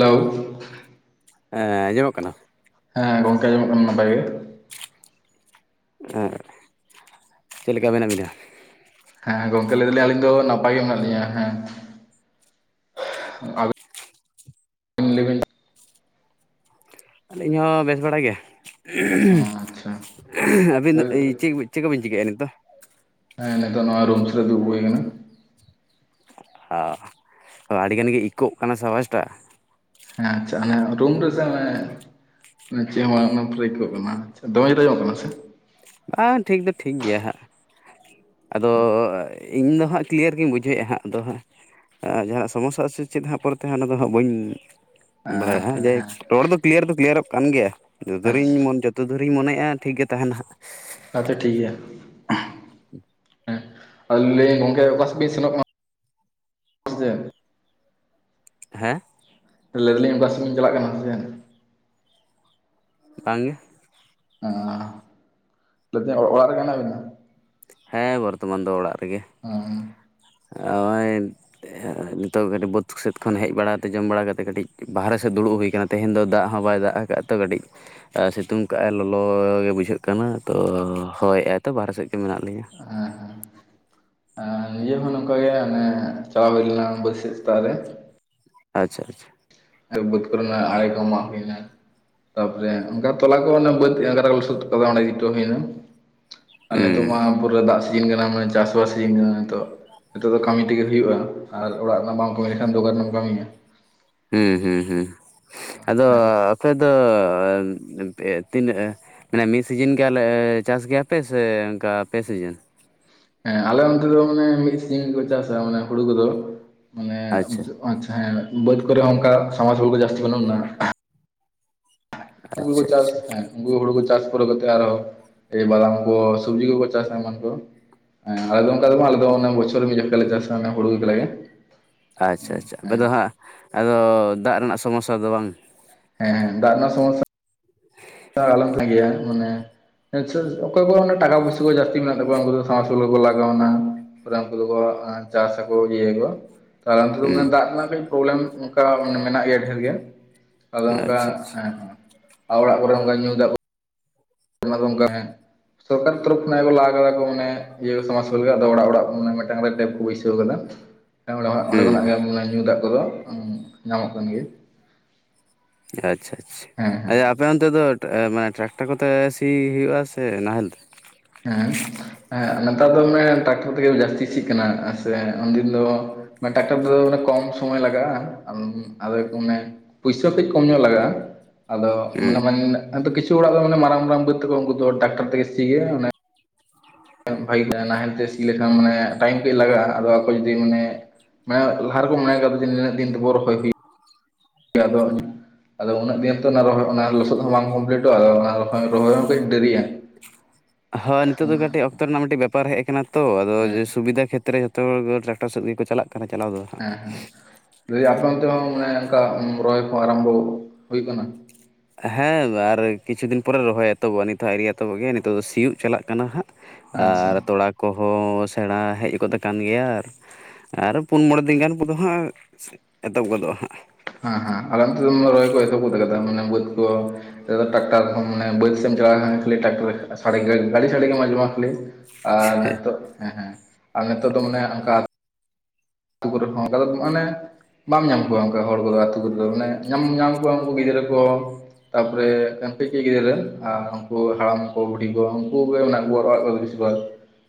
Hello. ᱮᱸ ᱟᱸᱡᱚᱢᱚᱜ ᱠᱟᱱᱟ? ᱦᱮᱸ ᱜᱚᱝᱠᱮ ᱟᱸᱡᱚᱢᱚᱜ ᱠᱟᱱᱟ ᱱᱟᱯᱟᱭ ᱜᱮ᱾ ᱟᱨ ᱪᱮᱫ ᱞᱮᱠᱟ ᱢᱮᱱᱟᱜ ᱵᱤᱱᱟ? ᱦᱮᱸ ᱜᱚᱝᱠᱮ ᱞᱟᱹᱭ ᱫᱟᱞᱤᱧ ᱟᱹᱞᱤᱧ ᱫᱚ ᱱᱟᱯᱟᱭ ᱜᱮ ᱢᱮᱱᱟᱜ ᱞᱤᱧᱟ, ᱦᱮᱸ᱾ ᱦᱩᱸ ᱞᱮᱵᱤᱱ᱾ ᱟᱞᱤᱧ ᱦᱚᱸ ᱵᱮᱥ ᱵᱟᱲᱟ ᱜᱮ ᱟᱪᱪᱷᱟ [unintelligible] ᱟᱹᱵᱤᱱ ᱫᱚ ᱪᱮᱫ ᱦᱮᱸ ᱠᱚ ᱵᱤᱱ ᱪᱮᱫ ᱠᱚᱵᱤᱱ ᱪᱤᱠᱟᱹᱭᱮᱫᱼᱟ ᱱᱤᱛᱳᱜ? ᱦᱮᱸ ᱱᱤᱛᱚᱜ ᱱᱚᱜ-ᱚᱭ ᱨᱩᱢ ᱥᱮᱫ ᱨᱮ ᱫᱩᱲᱩᱵ ᱦᱩᱭ ᱟᱠᱟᱱᱟ᱾ ᱚ ᱟᱹᱰᱤ ᱜᱟᱱ ᱜᱮ ᱤᱠᱳᱹᱜ ᱠᱟᱱᱟ ᱥᱮ ᱟᱣᱟᱡᱽᱴᱟᱜ᱾ ᱦᱮᱸ ᱟᱪᱪᱷᱟ ᱢᱟᱱᱮ ᱨᱩᱢ ᱨᱮᱥᱮ ᱢᱟᱱᱮ ᱡᱮᱢᱚᱱ ᱚᱱᱮ ᱵᱨᱮᱠ-ᱚᱜ ᱠᱟᱱᱟ ᱟᱪᱪᱷᱟ ᱫᱚᱢᱮ ᱡᱳᱨ ᱟᱸᱡᱚᱢ-ᱚᱜ ᱠᱟᱱᱟ ᱥᱮ? ᱟ ᱴᱷᱤᱠ ᱫᱚ ᱴᱷᱤᱠ ᱜᱮᱭᱟ ᱦᱟᱜ᱾ ᱟᱫᱚ ᱤᱧᱫᱚ ᱦᱟᱸᱜ ᱠᱞᱤᱭᱟᱨ ᱜᱤᱧ ᱵᱩᱡᱷᱟᱹᱣᱮᱜᱼᱟ ᱦᱟᱸᱜ ᱟᱫᱚ ᱦᱟᱸᱜ ᱡᱟᱦᱟᱸᱱᱟᱜ ᱥᱚᱢᱚᱥᱟᱜ-ᱟ ᱥᱮ ᱪᱮᱫ ᱦᱟᱸᱜ ᱯᱚᱨᱮᱛᱮ ᱦᱟᱸᱜ ᱚᱱᱟ ᱫᱚ ᱦᱟᱸᱜ ᱵᱟᱹᱧ ᱦᱮᱸ ᱵᱟᱲᱟᱭᱟ ᱦᱮᱸ ᱡᱮ ᱦᱮᱸ ᱨᱚᱲ ᱫᱚ ᱠᱞᱤᱭᱟᱨ ᱫᱚ ᱠᱞᱤᱭᱟᱨᱚᱜ ᱠᱟᱱ ᱜᱮᱭᱟ ᱡᱚᱛᱚᱫᱩᱨᱤᱧ ᱟᱪᱪᱷᱟ ᱢᱚᱱ ᱡᱚᱛᱚ ᱡᱚᱛᱚ ᱫᱩᱨᱤᱧ ᱢᱚᱱᱮᱭᱮᱜ-ᱟ ᱴᱷᱤᱜ ᱜᱮ ᱛᱟᱦᱮᱱᱟ ᱦᱟᱸᱜ ᱟᱪᱪᱷᱟ ᱴᱷᱤᱠ ᱜᱮᱭᱟ᱾ [unintelligible] ᱟᱨ ᱠᱮ ᱜᱚᱝᱠᱮ ᱚᱠᱟ ᱥᱮᱫ ᱵᱤᱱ ᱥᱮᱱᱚᱜ ᱠᱟᱱᱟ? ᱡᱮ ᱦᱮᱸ? ᱞᱟᱹᱭᱫᱟᱞᱤᱧ ᱵᱟᱥ ᱞᱤᱧ ᱪᱟᱞᱟᱜ ᱠᱟᱱᱟ ᱥᱮ ᱪᱮᱫ? ᱵᱟᱝᱜᱮ ᱚ ᱚᱲᱟᱜ ᱨᱮᱜᱮ ᱦᱮᱱᱟ ᱵᱮᱱᱟ? ᱦᱮᱸ ᱵᱚᱨᱛᱚᱢᱟᱱ ᱫᱚ ᱚᱲᱟᱜ ᱨᱮᱜᱮ ᱚᱸ ᱚᱭ ᱱᱤᱛᱚᱜ ᱠᱟᱹᱴᱤᱡ ᱵᱟᱹᱫᱽ ᱥᱮᱫ ᱠᱷᱚᱱ ᱦᱮᱡ ᱵᱟᱲᱟ ᱛᱮ ᱡᱚᱢ ᱵᱟᱲᱟ ᱠᱟᱛᱮᱫ ᱠᱟᱹᱴᱤᱡ ᱵᱟᱦᱨᱮ ᱥᱮᱫ ᱫᱩᱲᱩᱵ ᱦᱩᱭ ᱟᱠᱟᱱᱟ᱾ ᱛᱮᱦᱮᱧ ᱫᱚ ᱫᱟᱜ ᱦᱚᱸ ᱵᱟᱭ ᱫᱟᱜ ᱠᱟᱜᱼᱟ ᱛᱚ ᱠᱟᱹᱴᱤᱡ ᱥᱤᱛᱩᱝ ᱠᱟᱜᱼ ᱟᱭ ᱞᱚᱞᱚ ᱜᱮ ᱵᱩᱡᱷᱟᱹᱜ ᱠᱟᱱᱟ ᱛᱚ ᱦᱳᱭ ᱟᱭᱛᱚ ᱵᱟᱦᱨᱮ ᱥᱮᱫ ᱜᱮ ᱢᱮᱱᱟᱜ ᱞᱮᱤᱧᱟᱹ᱾ ᱱᱤᱭᱟᱹ ᱦᱚᱸ ᱱᱚᱝᱠᱟᱜᱮ ᱚᱱᱮ ᱪᱟᱞᱟ ᱦᱩᱭᱞᱮᱱᱟ ᱵᱟᱹᱛ ᱥᱮᱜ ᱥᱮᱛᱟᱜ ᱨᱮ ᱟᱪᱪᱷᱟ ᱟᱪᱷᱟ ᱟᱨ ᱵᱟᱹᱛ ᱠᱚᱨᱮᱱᱟᱜ ᱟᱲᱮ ᱠᱚ ᱢᱟᱜ ᱦᱩᱭ ᱱᱟ ᱛᱟᱯᱚᱨᱮ ᱚᱝᱠᱟ ᱛᱚᱞᱟ ᱠᱚ ᱵᱟᱹᱫᱽ [unintelligible] ᱥᱟᱹᱛ ᱠᱟᱫᱟ ᱚᱸᱰᱮ ᱜᱤ ᱛᱳᱜ ᱦᱩᱭᱱᱟ ᱟᱨ ᱱᱤᱛᱚᱜ ᱦᱩᱸ ᱢᱟ ᱯᱩᱨᱟ ᱫᱟᱜ ᱥᱤᱡᱤᱱ ᱠᱟᱱᱟ ᱢᱟᱱᱮ ᱪᱟᱥᱵᱟᱥ ᱥᱤᱡᱤᱱ ᱠᱟᱱᱟ ᱱᱤᱛᱚᱜ ᱱᱤᱛᱚᱜ ᱫᱚ ᱠᱟᱹᱢᱤ ᱛᱮᱜᱮ ᱦᱩᱭᱩᱜᱼᱟ ᱟᱨ ᱚᱲᱟᱜ ᱨᱮᱱᱟᱜ ᱵᱟᱢ ᱠᱟᱹᱢᱤ ᱞᱮᱠᱷᱟᱱ ᱫᱚᱠᱟᱱ ᱨᱮᱢ ᱠᱟᱹᱢᱤᱭᱟ ᱦᱩᱸ ᱦᱩᱸ ᱦᱩᱸ ᱟᱫᱚ ᱟᱯᱮ ᱫᱚ ᱛᱤᱱᱟᱹᱜ? ᱢᱟᱱᱮ ᱢᱤᱜ ᱥᱤᱡᱤᱱ ᱜᱮ ᱪᱟᱥ ᱜᱮᱭᱟᱯᱮ ᱥᱮ ᱚᱝᱠᱟ ᱯᱮ ᱥᱤᱡᱤᱱ? ᱦᱮᱸ ᱟᱞᱮ ᱚᱱᱛᱮ ᱫᱚ ᱢᱟᱱᱮ ᱢᱤᱫ ᱥᱤᱡᱤᱱ ᱜᱮᱠᱚ ᱪᱟᱥ-ᱟ ᱢᱟᱱᱮ ᱦᱩᱲᱩ ᱠᱚᱫᱚ, ᱢᱟᱱᱮ ᱟᱪᱪᱷᱟ ᱚ ᱟᱪᱪᱷᱟ ᱦᱮᱸ ᱵᱟᱹᱫᱽ ᱠᱚᱨᱮ ᱦᱚᱸ ᱚᱝᱠᱟ ᱥᱟᱢᱟᱡᱽ ᱦᱚᱲᱩ ᱠᱚ ᱡᱟᱹᱥᱛᱤ ᱵᱟᱹᱱᱩᱜᱱᱟ᱾ ᱦᱩᱲᱩ ᱠᱚ ᱟᱪᱪᱷᱟ ᱪᱟᱥ, ᱟᱪᱪᱷᱟ ᱦᱮᱸ ᱩᱝᱠᱩ ᱠᱚ ᱦᱳᱲᱳ ᱠᱚ ᱪᱟᱥ ᱯᱚᱨ ᱠᱟᱛᱮ ᱟᱨᱦᱚ ᱮᱵᱟᱨ ᱠᱚ ᱥᱚᱵᱡᱤ ᱠᱚᱠᱚ ᱪᱟᱥ ᱮᱢᱟᱱ ᱠᱚ ᱦᱮᱸ ᱟᱞᱮ ᱚᱝᱠᱟ ᱫᱚ ᱵᱟᱝ ᱟᱞᱮ ᱫᱚ ᱚᱱᱮ ᱵᱚᱪᱷᱚᱨ ᱢᱤᱫ ᱡᱷᱟᱴᱠᱟ ᱞᱮ ᱪᱟᱥ-ᱟ ᱚᱱᱮ ᱦᱳᱲᱳ ᱠᱟᱞᱟᱜᱮ᱾ ᱟᱪᱪᱷᱟ ᱟᱪᱪᱷᱟ ᱟᱯᱮ ᱫᱚ ᱦᱟᱸᱜ ᱟᱫᱚ ᱫᱟᱜᱽ ᱨᱮᱱᱟᱜ ᱥᱚᱢᱚᱥᱟ ᱫᱚ ᱵᱟᱝ? ᱦᱮᱸ ᱫᱟᱜᱽ ᱨᱮᱱᱟᱜ ᱥᱚᱢᱚᱥᱟ ᱟᱞᱟᱚᱢ ᱛᱟᱸᱜᱮᱭᱟ ᱢᱟᱱᱮ ᱚᱠᱚᱭ ᱠᱚᱣᱟᱜ ᱴᱟᱠᱟ ᱯᱚᱭᱥᱟ ᱠᱚ ᱡᱟᱹᱥᱛᱤ ᱢᱮᱱᱟᱜ ᱛᱟᱠᱚᱣᱟ ᱩᱱᱠᱩ ᱫᱚ ᱥᱟᱝᱢᱟᱥᱟᱞ ᱠᱚ ᱞᱟᱜᱟᱣᱱᱟ ᱯᱩᱨᱟ ᱩᱝᱠᱩ ᱫᱚᱠᱚ ᱪᱟᱥ ᱟᱠᱚ ᱤᱭᱟᱹ ᱭᱟᱠᱚ᱾ [unintelligible] ᱫᱟᱜ ᱦᱩᱸ ᱨᱮᱱᱟᱜ ᱠᱟᱹᱡ ᱯᱨᱚᱵᱞᱮᱢ ᱚᱝᱠᱟ ᱢᱟᱱ ᱢᱮᱱᱟᱜ ᱜᱮᱭᱟ ᱰᱷᱮᱨ ᱜᱮ᱾ ᱟᱫᱚ ᱚᱝᱠᱟ ᱟᱪᱪᱷᱟ ᱟᱪᱪᱷᱟ ᱦᱮᱸ ᱟᱨ ᱚᱲᱟᱜ ᱠᱚᱨᱮ ᱚᱝᱠᱟ ᱧᱩ ᱫᱟᱜ [inaudible] ᱚᱝᱠᱟ ᱦᱮᱸ᱾ ᱥᱚᱨᱠᱟᱨ ᱛᱚᱨᱚᱯᱷ ᱠᱷᱚᱱᱟᱜ ᱠᱚ ᱞᱟᱜ ᱟᱠᱟᱫᱟ ᱠᱚ ᱢᱟᱱᱮ ᱤᱭᱟᱹ ᱥᱟᱢᱟᱥᱟᱞ ᱜᱮ ᱟᱫᱚ ᱚᱲᱟᱜ ᱚᱲᱟᱜ ᱢᱟᱱᱮ ᱢᱤᱫᱴᱟᱝ ᱨᱮ ᱴᱮᱯ ᱠᱚ ᱵᱟᱹᱭᱥᱟᱹᱣ ᱠᱟᱫᱟ᱾ ᱚᱸᱰᱮ ᱦᱩᱸ ᱦᱩᱸ ᱠᱷᱚᱱᱟᱜ ᱜᱮ ᱧᱩ ᱫᱟᱜ ᱠᱚᱫᱚ ᱧᱟᱢᱚᱜ ᱠᱟᱱ ᱜᱮ ᱟᱪᱪᱷᱟ ᱟᱪᱪᱷᱟ [unintelligible] ᱟᱯᱮ ᱚᱱᱛᱮ ᱫᱚ ᱢᱟᱱᱮ ᱴᱨᱟᱠᱴᱟᱨ ᱠᱚᱛᱮ ᱥᱤ ᱦᱩᱭᱩᱜᱼᱟ ᱥᱮ ᱱᱟᱦᱮᱞ ᱛᱮ? ᱦᱮᱸ ᱦᱮᱸ ᱱᱮᱛᱟᱨ ᱫᱚ ᱢᱟᱱᱮ ᱴᱨᱟᱠᱴᱚᱨ ᱛᱮᱜᱮ ᱡᱟᱹᱥᱛᱤ ᱥᱤᱜ ᱠᱟᱱᱟ ᱥᱮ ᱩᱱᱫᱤᱱ ᱫᱚ ᱢᱟᱱᱮ ᱴᱨᱟᱠᱴᱟᱨ ᱛᱮᱫᱚ ᱢᱟᱱᱮ ᱠᱚᱢ ᱥᱚᱢᱚᱭ ᱞᱟᱜᱟᱜᱼᱟ ᱟᱫᱚ ᱢᱟᱱᱮ ᱯᱩᱭᱥᱟᱹ ᱦᱚᱸ ᱠᱟᱹᱡ ᱠᱚᱢ ᱧᱚᱜ ᱞᱟᱜᱟᱜᱼᱟ᱾ ᱟᱫᱚ ᱢᱟᱱᱮ ᱦᱩᱸ ᱢᱟᱱᱮ ᱢᱟᱱᱮ ᱟᱫᱚ ᱠᱤᱪᱷᱩ ᱦᱚᱲᱟᱜ ᱫᱚ ᱢᱟᱱᱮ ᱢᱟᱨᱟᱝ ᱢᱟᱨᱟᱝ ᱵᱟᱹᱫᱽ ᱛᱟᱠᱚ ᱩᱱᱠᱩ ᱫᱚ ᱴᱟᱠᱴᱟᱨ ᱛᱮᱜᱮ ᱥᱤ ᱜᱮ ᱵᱷᱟᱹᱜᱤᱜᱼᱟ ᱱᱟᱦᱮᱞ ᱛᱮ ᱥᱤ ᱞᱮᱠᱷᱟᱱ ᱢᱟᱱᱮ ᱴᱟᱭᱤᱢ ᱠᱟᱹᱡ ᱞᱟᱜᱟᱜᱼᱟ ᱟᱫᱚ ᱟᱠᱚ ᱡᱩᱫᱤ ᱢᱟᱱᱮ ᱢᱟᱱᱮ ᱞᱟᱦᱟ ᱨᱮᱠᱚ ᱢᱚᱱᱮ ᱠᱟᱫᱟ ᱡᱮ ᱱᱤᱱᱟᱹᱜ ᱫᱤᱱ ᱨᱮᱵᱚ ᱨᱚᱦᱚᱭᱱ ᱦᱩᱭᱩᱜ᱾ ᱜᱮ ᱟᱫᱚ ᱟᱫᱚ ᱩᱱᱟᱹᱜ ᱫᱤᱱᱛᱮ ᱨᱚᱦᱚᱭ ᱚᱱᱟ ᱞᱚᱥᱚᱫ ᱦᱚᱸ ᱵᱟᱝ ᱠᱚᱢᱯᱞᱤᱴᱚᱜᱼᱟ ᱟᱫᱚ ᱚᱱᱟ ᱨᱚᱦᱚᱭ ᱦᱚᱸ ᱠᱟᱹᱡ ᱰᱟᱹᱨᱤᱜ-ᱟ᱾ ᱦᱳᱭ ᱱᱤᱛᱚᱜ ᱫᱚ ᱠᱟᱹᱴᱤᱡ ᱚᱠᱛᱚ ᱨᱮᱱᱟᱜ ᱢᱤᱫᱴᱤᱡ ᱵᱮᱯᱟᱨ ᱦᱮᱡ ᱟᱠᱟᱱᱟ ᱛᱚ ᱟᱫᱚ ᱡᱮ ᱦᱮᱸ ᱥᱩᱵᱤᱫᱟ ᱠᱷᱮᱛᱨᱮ ᱡᱚᱛᱚ ᱦᱚᱲ ᱜᱮ ᱴᱨᱟᱠᱴᱟᱨ ᱥᱮᱫ ᱜᱮᱠᱚ ᱪᱟᱞᱟᱜ ᱠᱟᱱᱟ ᱪᱟᱞᱟᱣ ᱫᱚ ᱦᱟᱸᱜ᱾ ᱞᱟᱹᱭ ᱫᱟᱹᱧ ᱟᱯᱮ ᱛᱮᱦᱚᱸ ᱢᱟᱱᱮ ᱚᱱᱠᱟ ᱩᱸ ᱨᱚᱦᱚᱭ ᱦᱚᱸ ᱟᱨᱟᱢᱵᱷᱚ ᱦᱩᱭ ᱠᱟᱱᱟ? ᱦᱮᱸ ᱟᱨ ᱠᱤᱪᱷᱩ ᱫᱤᱱ ᱯᱚᱨᱮ ᱨᱚᱦᱚᱭ ᱮᱛᱚᱦᱚᱵᱚᱜᱼᱟ ᱱᱤᱛᱚᱜ ᱟᱣᱨᱤ ᱮᱛᱚᱦᱚᱵᱚᱜ ᱜᱮᱭᱟ ᱱᱤᱛᱚᱜ ᱫᱚ ᱥᱤᱭᱳᱜ ᱪᱟᱞᱟᱜ ᱠᱟᱱᱟ ᱦᱟᱸᱜ᱾ ᱟᱪᱪᱷᱟ ᱟᱨ ᱦᱮᱸ ᱛᱚᱲᱟ ᱠᱚᱦᱚᱸ ᱥᱮᱬᱟ ᱦᱮᱡ ᱜᱚᱫ ᱟᱠᱟᱱ ᱜᱮᱭᱟ, ᱟᱨ ᱯᱩᱱ ᱢᱚᱬᱮ ᱫᱤᱱ ᱜᱟᱱ ᱠᱚᱫᱚ ᱦᱟᱸᱜ ᱮᱛᱚᱦᱚᱵ ᱜᱚᱫᱚᱜᱼᱟ ᱦᱟᱸᱜ᱾ ᱦᱮᱸ ᱦᱮᱸ ᱟᱞᱮ ᱱᱚᱛᱮ ᱫᱚ ᱢᱟ ᱨᱚᱦᱚᱭ ᱠᱚ ᱮᱛᱚᱦᱟᱵ ᱜᱚᱫ ᱠᱟᱫᱟ ᱢᱟᱱᱮ ᱵᱟᱹᱫᱽ ᱠᱚ ᱦᱤᱛᱳᱜ ᱫᱚ ᱴᱟᱠᱴᱟᱨ ᱠᱷᱚᱱ ᱢᱟᱱᱮ ᱵᱟᱫᱽ ᱥᱮᱱ ᱮᱢ ᱪᱟᱞᱟᱣ ᱞᱮᱱᱠᱷᱟᱱ ᱠᱷᱟᱹᱞᱤ ᱴᱨᱟᱠᱴᱚᱨ ᱥᱟᱰᱮ ᱜᱮ ᱜᱟᱰᱤ ᱫᱟᱲᱮ ᱜᱮᱢ ᱟᱸᱡᱚᱢ ᱢᱟ ᱠᱷᱟᱹᱞᱤ᱾ ᱟᱨ ᱱᱤᱛᱚᱜ ᱦᱮᱸ ᱦᱮᱸ ᱟᱨ ᱱᱤᱛᱚᱜ ᱫᱚ ᱢᱟᱱᱮ ᱚᱱᱠᱟ ᱚᱱᱟ ᱠᱚᱨᱮ ᱦᱚᱸ ᱚᱱᱠᱟ ᱫᱚ ᱢᱟᱱᱮ ᱵᱟᱢ ᱧᱟᱢ ᱠᱚᱣᱟ᱾ ᱦᱚᱲ ᱠᱚᱫᱚ ᱟᱹᱛᱩ ᱠᱚᱫᱚ ᱢᱟᱱᱮ ᱧᱟᱢ ᱧᱟᱢ ᱠᱚᱣᱟ ᱩᱱᱠᱩ ᱜᱤᱫᱽᱨᱟᱹ ᱠᱚ ᱛᱟᱯᱚᱨᱮ ᱮᱢ. ᱯᱤᱹᱠᱤ ᱜᱤᱫᱽᱨᱟᱹ ᱟᱨ ᱩᱱᱠᱩ ᱦᱟᱲᱟᱢ ᱠᱚ ᱵᱩᱰᱷᱤ ᱠᱚ ᱩᱱᱠᱩ ᱠᱚ ᱢᱮᱱᱟᱜ ᱠᱚᱣᱟ ᱚᱲᱟᱜ ᱠᱚᱨᱮ ᱫᱚ ᱵᱮᱥ ᱠᱚᱣᱟ